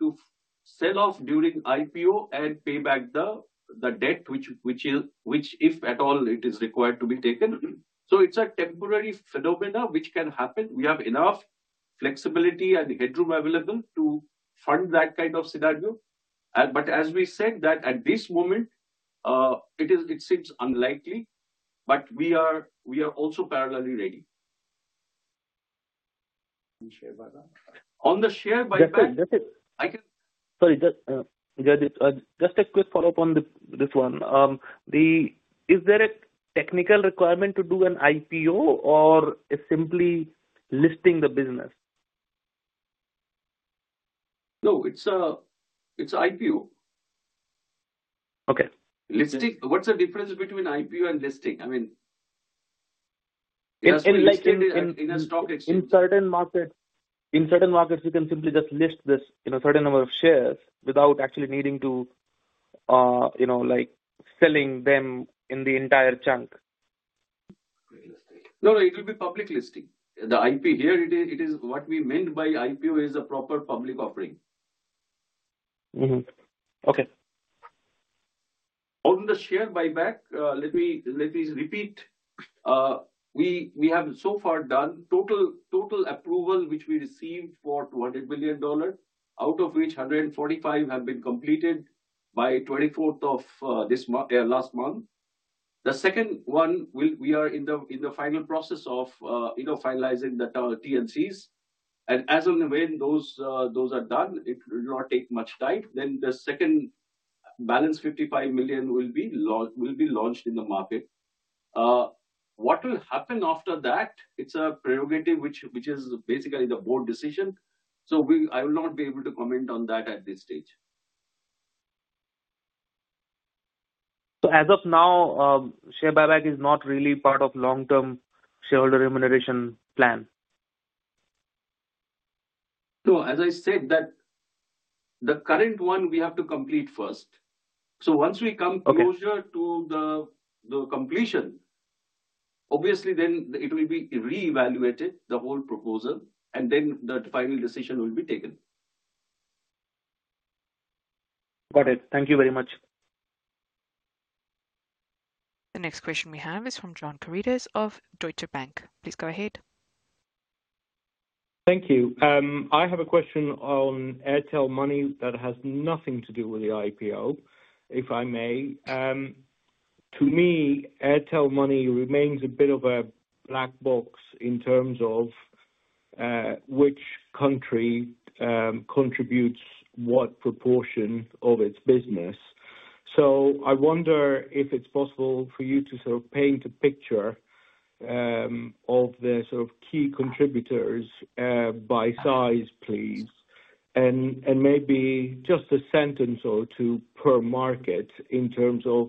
to sell off during IPO and pay back the debt, which if at all it is required to be taken. It's a temporary phenomenon which can happen. We have enough flexibility and headroom available to fund that kind of scenario. As we said, that at this moment, it seems unlikely, but we are also parallelly ready. On the share buyback, I can. Sorry, just a quick follow-up on this one. Is there a technical requirement to do an IPO or simply listing the business? No, it's IPO. Okay. What's the difference between IPO and listing? I mean, in a stock exchange. In certain markets, you can simply just list this in a certain number of shares without actually needing to sell them in the entire chunk. No, no, it will be public listing. The IPO here, it is what we meant by IPO is a proper public offering. Okay. On the share buyback, let me repeat. We have so far done total approval, which we received for $200 million, out of which 145 have been completed by 24th of last month. The second one, we are in the final process of finalizing the tower T&Cs. And as in when those are done, it will not take much time. Then the second balance, $55 million, will be launched in the market. What will happen after that? It's a prerogative, which is basically the board decision. So I will not be able to comment on that at this stage. So as of now, share buyback is not really part of long-term shareholder remuneration plan? No, as I said, the current one we have to complete first. So once we come closer to the completion, obviously, then it will be reevaluated, the whole proposal, and then the final decision will be taken. Got it. Thank you very much. The next question we have is from John Karidis of Deutsche Bank. Please go ahead. Thank you. I have a question on Airtel Money that has nothing to do with the IPO, if I may. To me, Airtel Money remains a bit of a black box in terms of which country contributes what proportion of its business. I wonder if it's possible for you to sort of paint a picture of the sort of key contributors by size, please, and maybe just a sentence or two per market in terms of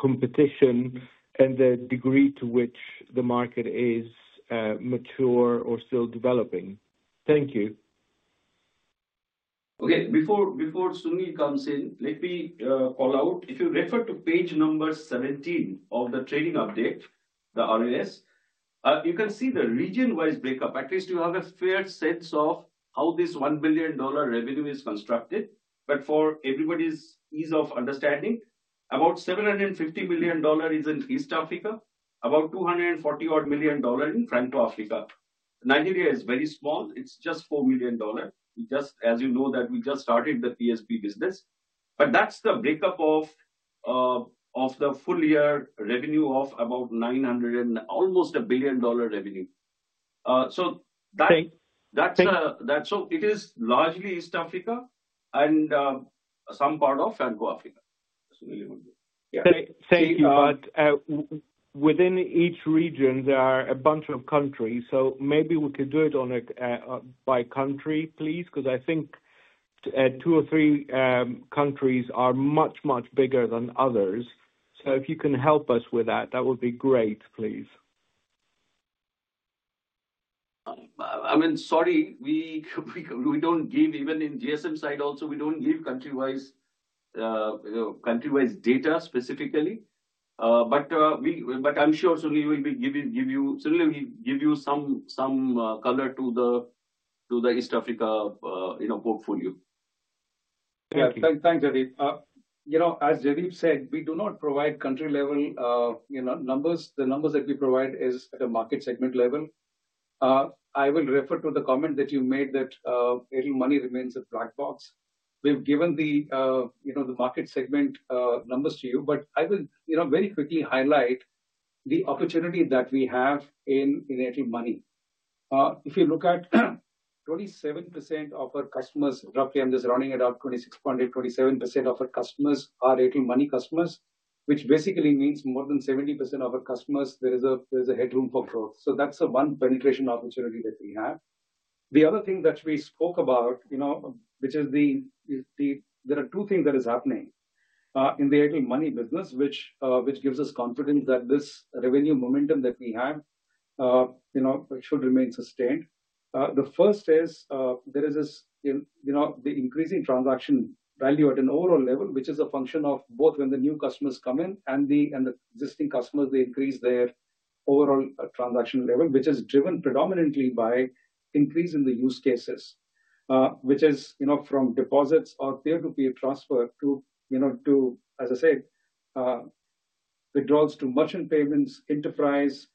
competition and the degree to which the market is mature or still developing. Thank you. Okay. Before Sunil comes in, let me call out. If you refer to page number 17 of the trading update, the RAS, you can see the region-wise breakup. At least you have a fair sense of how this $1 billion revenue is constructed. But for everybody's ease of understanding, about $750 million is in East Africa, about $240 million in Franco-Africa. Nigeria is very small. It's just $4 million. As you know, we just started the PSP business. But that's the breakup of the full year revenue of about almost $1 billion revenue. So it is largely East Africa and some part of Franco-Africa. Thank you. But within each region, there are a bunch of countries. So maybe we could do it by country, please, because I think two or three countries are much, much bigger than others. So if you can help us with that, that would be great, please. I mean, sorry, we don't give even in GSM side also, we don't give country-wise data specifically. But I'm sure Sunil will give you some color to the East Africa portfolio. Thanks, Jaideep. As Jaideep said, we do not provide country-level numbers. The numbers that we provide are at a market segment level. I will refer to the comment that you made that Airtel Money remains a black box. We've given the market segment numbers to you, but I will very quickly highlight the opportunity that we have in Airtel Money. If you look at 27% of our customers, roughly, I'm just rounding it out, 26.8%, 27% of our customers are Airtel Money customers, which basically means more than 70% of our customers. There is a headroom for growth. So that's the one penetration opportunity that we have. The other thing that we spoke about, which is there are two things that are happening in the Airtel Money business, which gives us confidence that this revenue momentum that we have should remain sustained. The first is there is the increasing transaction value at an overall level, which is a function of both when the new customers come in and the existing customers, they increase their overall transaction level, which is driven predominantly by increase in the use cases, which is from deposits or peer-to-peer transfer to, as I said, withdrawals to merchant payments, enterprise,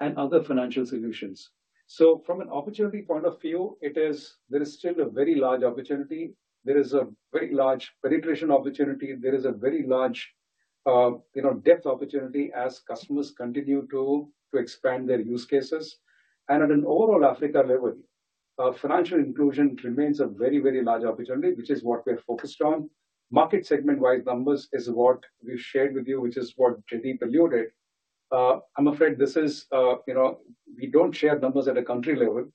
and other financial solutions. So from an opportunity point of view, there is still a very large opportunity. There is a very large penetration opportunity. There is a very large depth opportunity as customers continue to expand their use cases. And at an overall Africa level, financial inclusion remains a very, very large opportunity, which is what we are focused on. Market segment-wide numbers is what we've shared with you, which is what Jaideep Paul did. I'm afraid this is, we don't share numbers at a country level,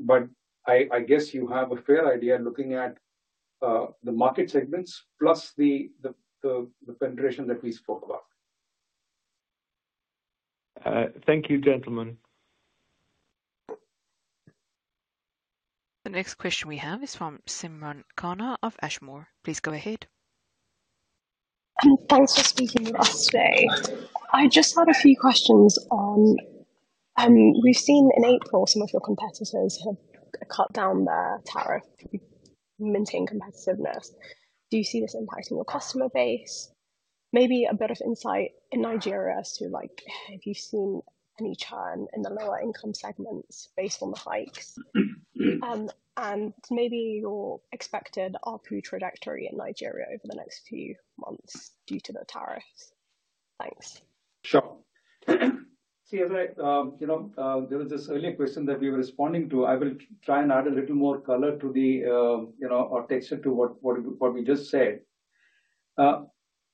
but I guess you have a fair idea looking at the market segments plus the penetration that we spoke about. Thank you, gentlemen. The next question we have is from Simran Khanna of Ashmore. Please go ahead. Thanks for speaking with us today. I just had a few questions on we've seen in April, some of your competitors have cut down their tariff to maintain competitiveness. Do you see this impacting your customer base? Maybe a bit of insight in Nigeria as to if you've seen any churn in the lower-income segments based on the hikes and maybe your expected ARPU trajectory in Nigeria over the next few months due to the tariffs. Thanks. Sure. See, as there was this earlier question that we were responding to. I will try and add a little more color to the or texture to what we just said.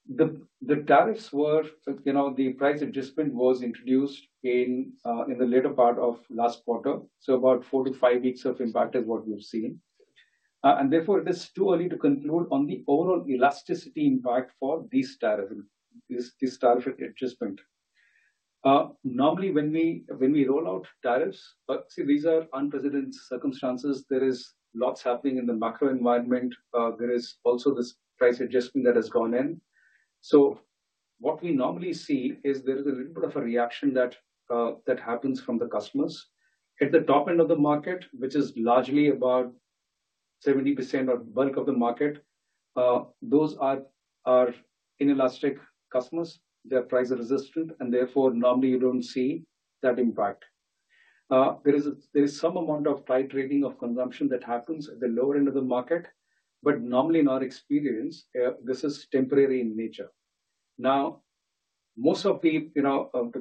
The tariffs were the price adjustment was introduced in the later part of last quarter. So about four to five weeks of impact is what we've seen. And therefore, it is too early to conclude on the overall elasticity impact for this tariff, this tariff adjustment. Normally, when we roll out tariffs, but see, these are unprecedented circumstances. There is lots happening in the macro environment. There is also this price adjustment that has gone in. So what we normally see is there is a little bit of a reaction that happens from the customers. At the top end of the market, which is largely about 70% or bulk of the market, those are inelastic customers. They are price resistant, and therefore, normally, you don't see that impact. There is some amount of tightening of consumption that happens at the lower end of the market. But normally, in our experience, this is temporary in nature. Now, most of the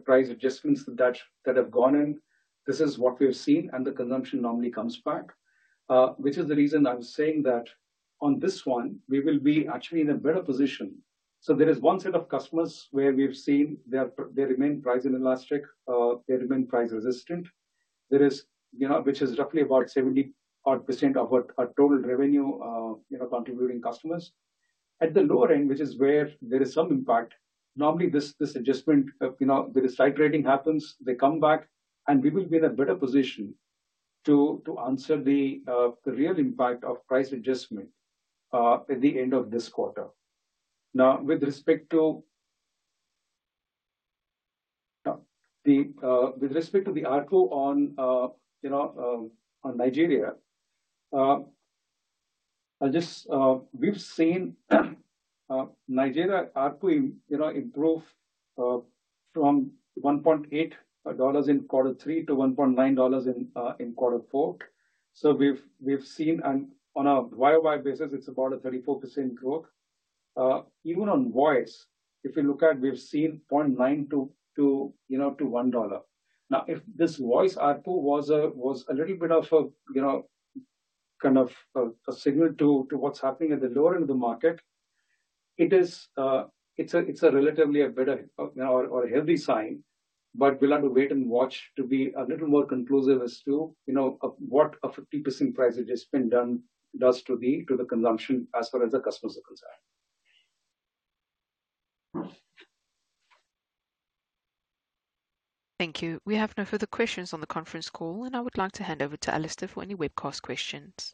price adjustments that have gone in, this is what we've seen, and the consumption normally comes back, which is the reason I'm saying that on this one, we will be actually in a better position. So there is one set of customers where we've seen they remain price inelastic, they remain price resistant, which is roughly about 70% of our total revenue contributing customers. At the lower end, which is where there is some impact, normally, this adjustment, there is tightening happens, they come back, and we will be in a better position to answer the real impact of price adjustment at the end of this quarter. Now, with respect to the ARPU on Nigeria, we've seen Nigeria ARPU improve from $1.8 in quarter three to $1.9 in quarter four. So we've seen, and on a YoY basis, it's about a 34% growth. Even on voice, if you look at, we've seen $0.9 to $1. Now, if this voice ARPU was a little bit of a kind of a signal to what's happening at the lower end of the market, it's relatively a better or a healthy sign, but we'll have to wait and watch to be a little more conclusive as to what a 50% price adjustment does to the consumption as far as the customers are concerned. Thank you. We have no further questions on the conference call, and I would like to hand over to Alastair for any webcast questions.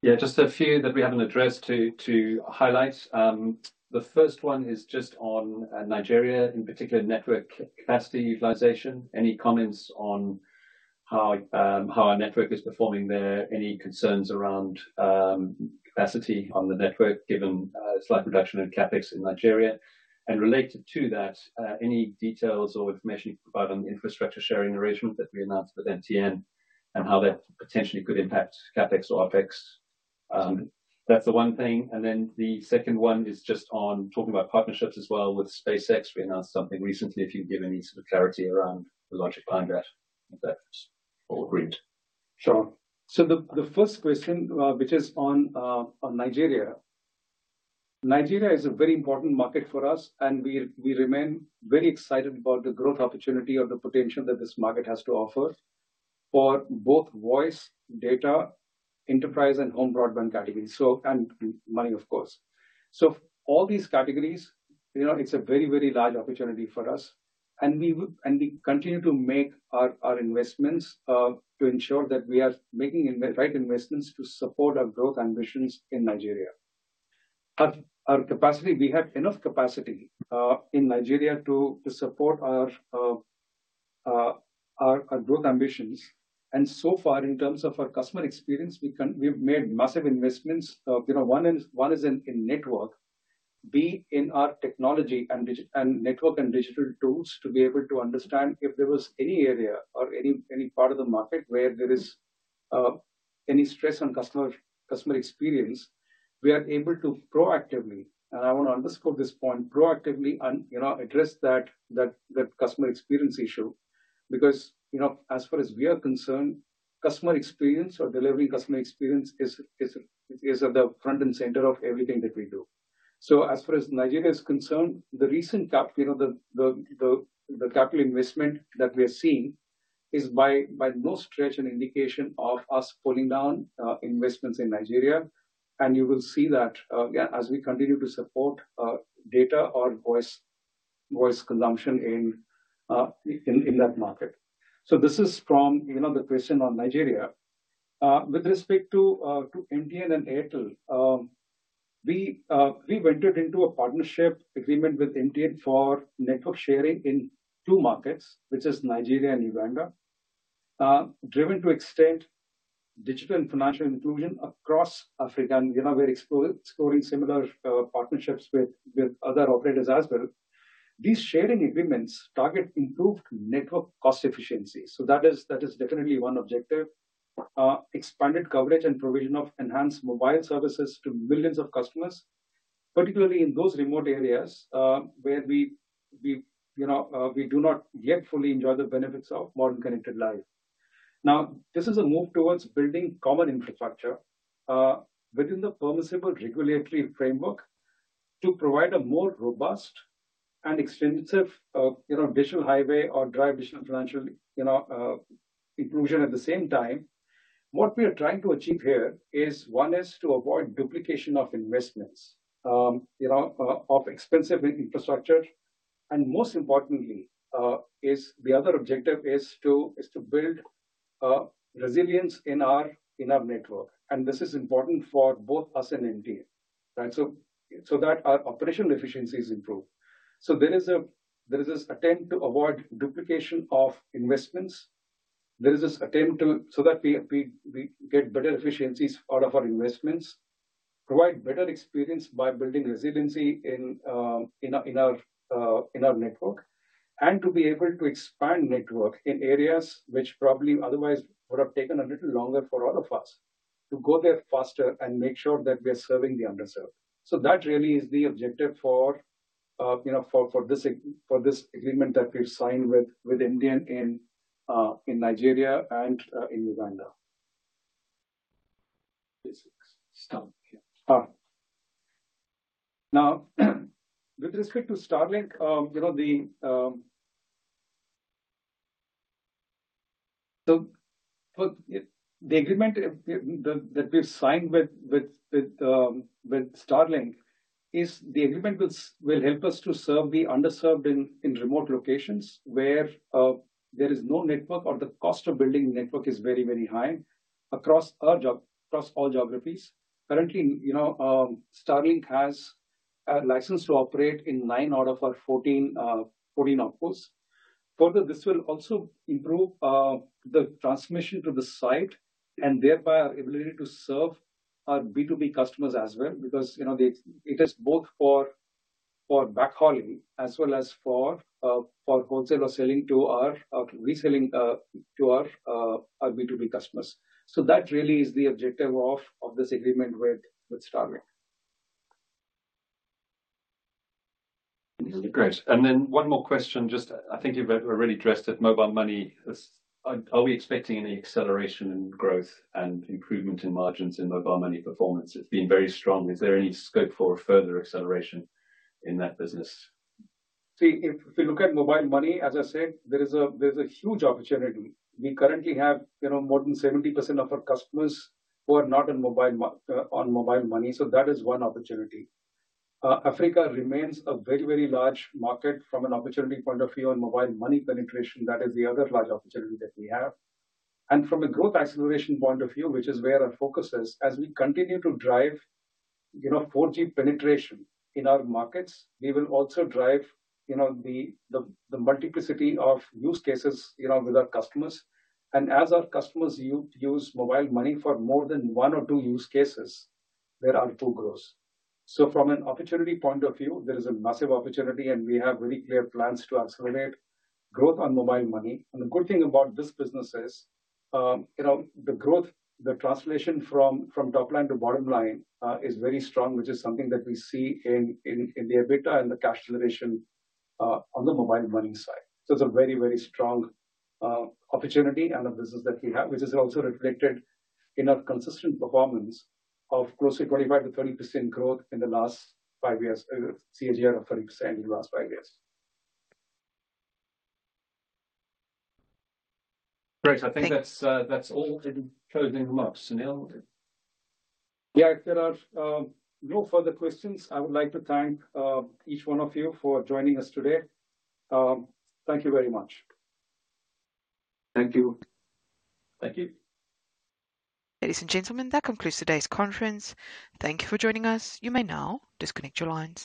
Yeah, just a few that we haven't addressed to highlight. The first one is just on Nigeria, in particular, network capacity utilization. Any comments on how our network is performing there? Any concerns around capacity on the network given slight reduction in CapEx in Nigeria? And related to that, any details or information you can provide on the infrastructure sharing arrangement that we announced with MTN and how that potentially could impact CapEx or OpEx? That's the one thing. And then the second one is just on talking about partnerships as well with SpaceX. We announced something recently. If you can give any sort of clarity around the logic behind that, if that's all agreed. Sure. So the first question, which is on Nigeria, Nigeria is a very important market for us, and we remain very excited about the growth opportunity or the potential that this market has to offer for both voice, data, enterprise, and home broadband categories. And money, of course. So all these categories, it's a very, very large opportunity for us. And we continue to make our investments to ensure that we are making the right investments to support our growth ambitions in Nigeria. Our capacity, we have enough capacity in Nigeria to support our growth ambitions. And so far, in terms of our customer experience, we've made massive investments. One is in network, and in our technology and network and digital tools to be able to understand if there was any area or any part of the market where there is any stress on customer experience. We are able to proactively, and I want to underscore this point, proactively address that customer experience issue because as far as we are concerned, customer experience or delivering customer experience is at the front and center of everything that we do. As far as Nigeria is concerned, the recent capital investment that we are seeing is by no stretch an indication of us pulling down investments in Nigeria. You will see that as we continue to support data or voice consumption in that market. This is from the question on Nigeria. With respect to MTN and Airtel, we went into a partnership agreement with MTN for network sharing in two markets, which is Nigeria and Uganda, driven to extend digital and financial inclusion across Africa. We're exploring similar partnerships with other operators as well. These sharing agreements target improved network cost efficiency. That is definitely one objective. Expanded coverage and provision of enhanced mobile services to millions of customers, particularly in those remote areas where we do not yet fully enjoy the benefits of modern connected life. Now, this is a move towards building common infrastructure within the permissible regulatory framework to provide a more robust and extensive digital highway or drive digital financial inclusion at the same time. What we are trying to achieve here is one is to avoid duplication of investments of expensive infrastructure, and most importantly, the other objective is to build resilience in our network, and this is important for both us and MTN so that our operational efficiency is improved, so there is this attempt to avoid duplication of investments. There is this attempt so that we get better efficiencies out of our investments, provide better experience by building resiliency in our network, and to be able to expand network in areas which probably otherwise would have taken a little longer for all of us to go there faster and make sure that we are serving the underserved. So that really is the objective for this agreement that we've signed with MTN in Nigeria and in Uganda. Now, with respect to Starlink, the agreement that we've signed with Starlink is the agreement will help us to serve the underserved in remote locations where there is no network or the cost of building network is very, very high across all geographies. Currently, Starlink has a license to operate in nine out of our 14 outposts. Further, this will also improve the transmission to the site and thereby our ability to serve our B2B customers as well because it is both for backhauling as well as for wholesale or selling to our reselling to our B2B customers. So that really is the objective of this agreement with Starlink. Great. And then one more question. Just, I think you've already addressed it. Mobile money, are we expecting any acceleration in growth and improvement in margins in mobile money performance? It's been very strong. Is there any scope for further acceleration in that business? See, if we look at mobile money, as I said, there is a huge opportunity. We currently have more than 70% of our customers who are not on mobile money. So that is one opportunity. Africa remains a very, very large market from an opportunity point of view on mobile money penetration. That is the other large opportunity that we have, and from a growth acceleration point of view, which is where our focus is, as we continue to drive 4G penetration in our markets, we will also drive the multiplicity of use cases with our customers. And as our customers use mobile money for more than one or two use cases, there are two growths. So from an opportunity point of view, there is a massive opportunity, and we have very clear plans to accelerate growth on mobile money. And the good thing about this business is the growth, the translation from top line to bottom line is very strong, which is something that we see in the EBITDA and the cash generation on the mobile money side. So it's a very, very strong opportunity and a business that we have, which is also reflected in our consistent performance of closer to 25%-30% growth in the last five years, CAGR of 30% in the last five years. Great. I think that's all in closing remarks. Yeah, if there are no further questions, I would like to thank each one of you for joining us today. Thank you very much. Thank you. Thank you. Ladies and gentlemen, that concludes today's conference. Thank you for joining us. You may now disconnect your lines.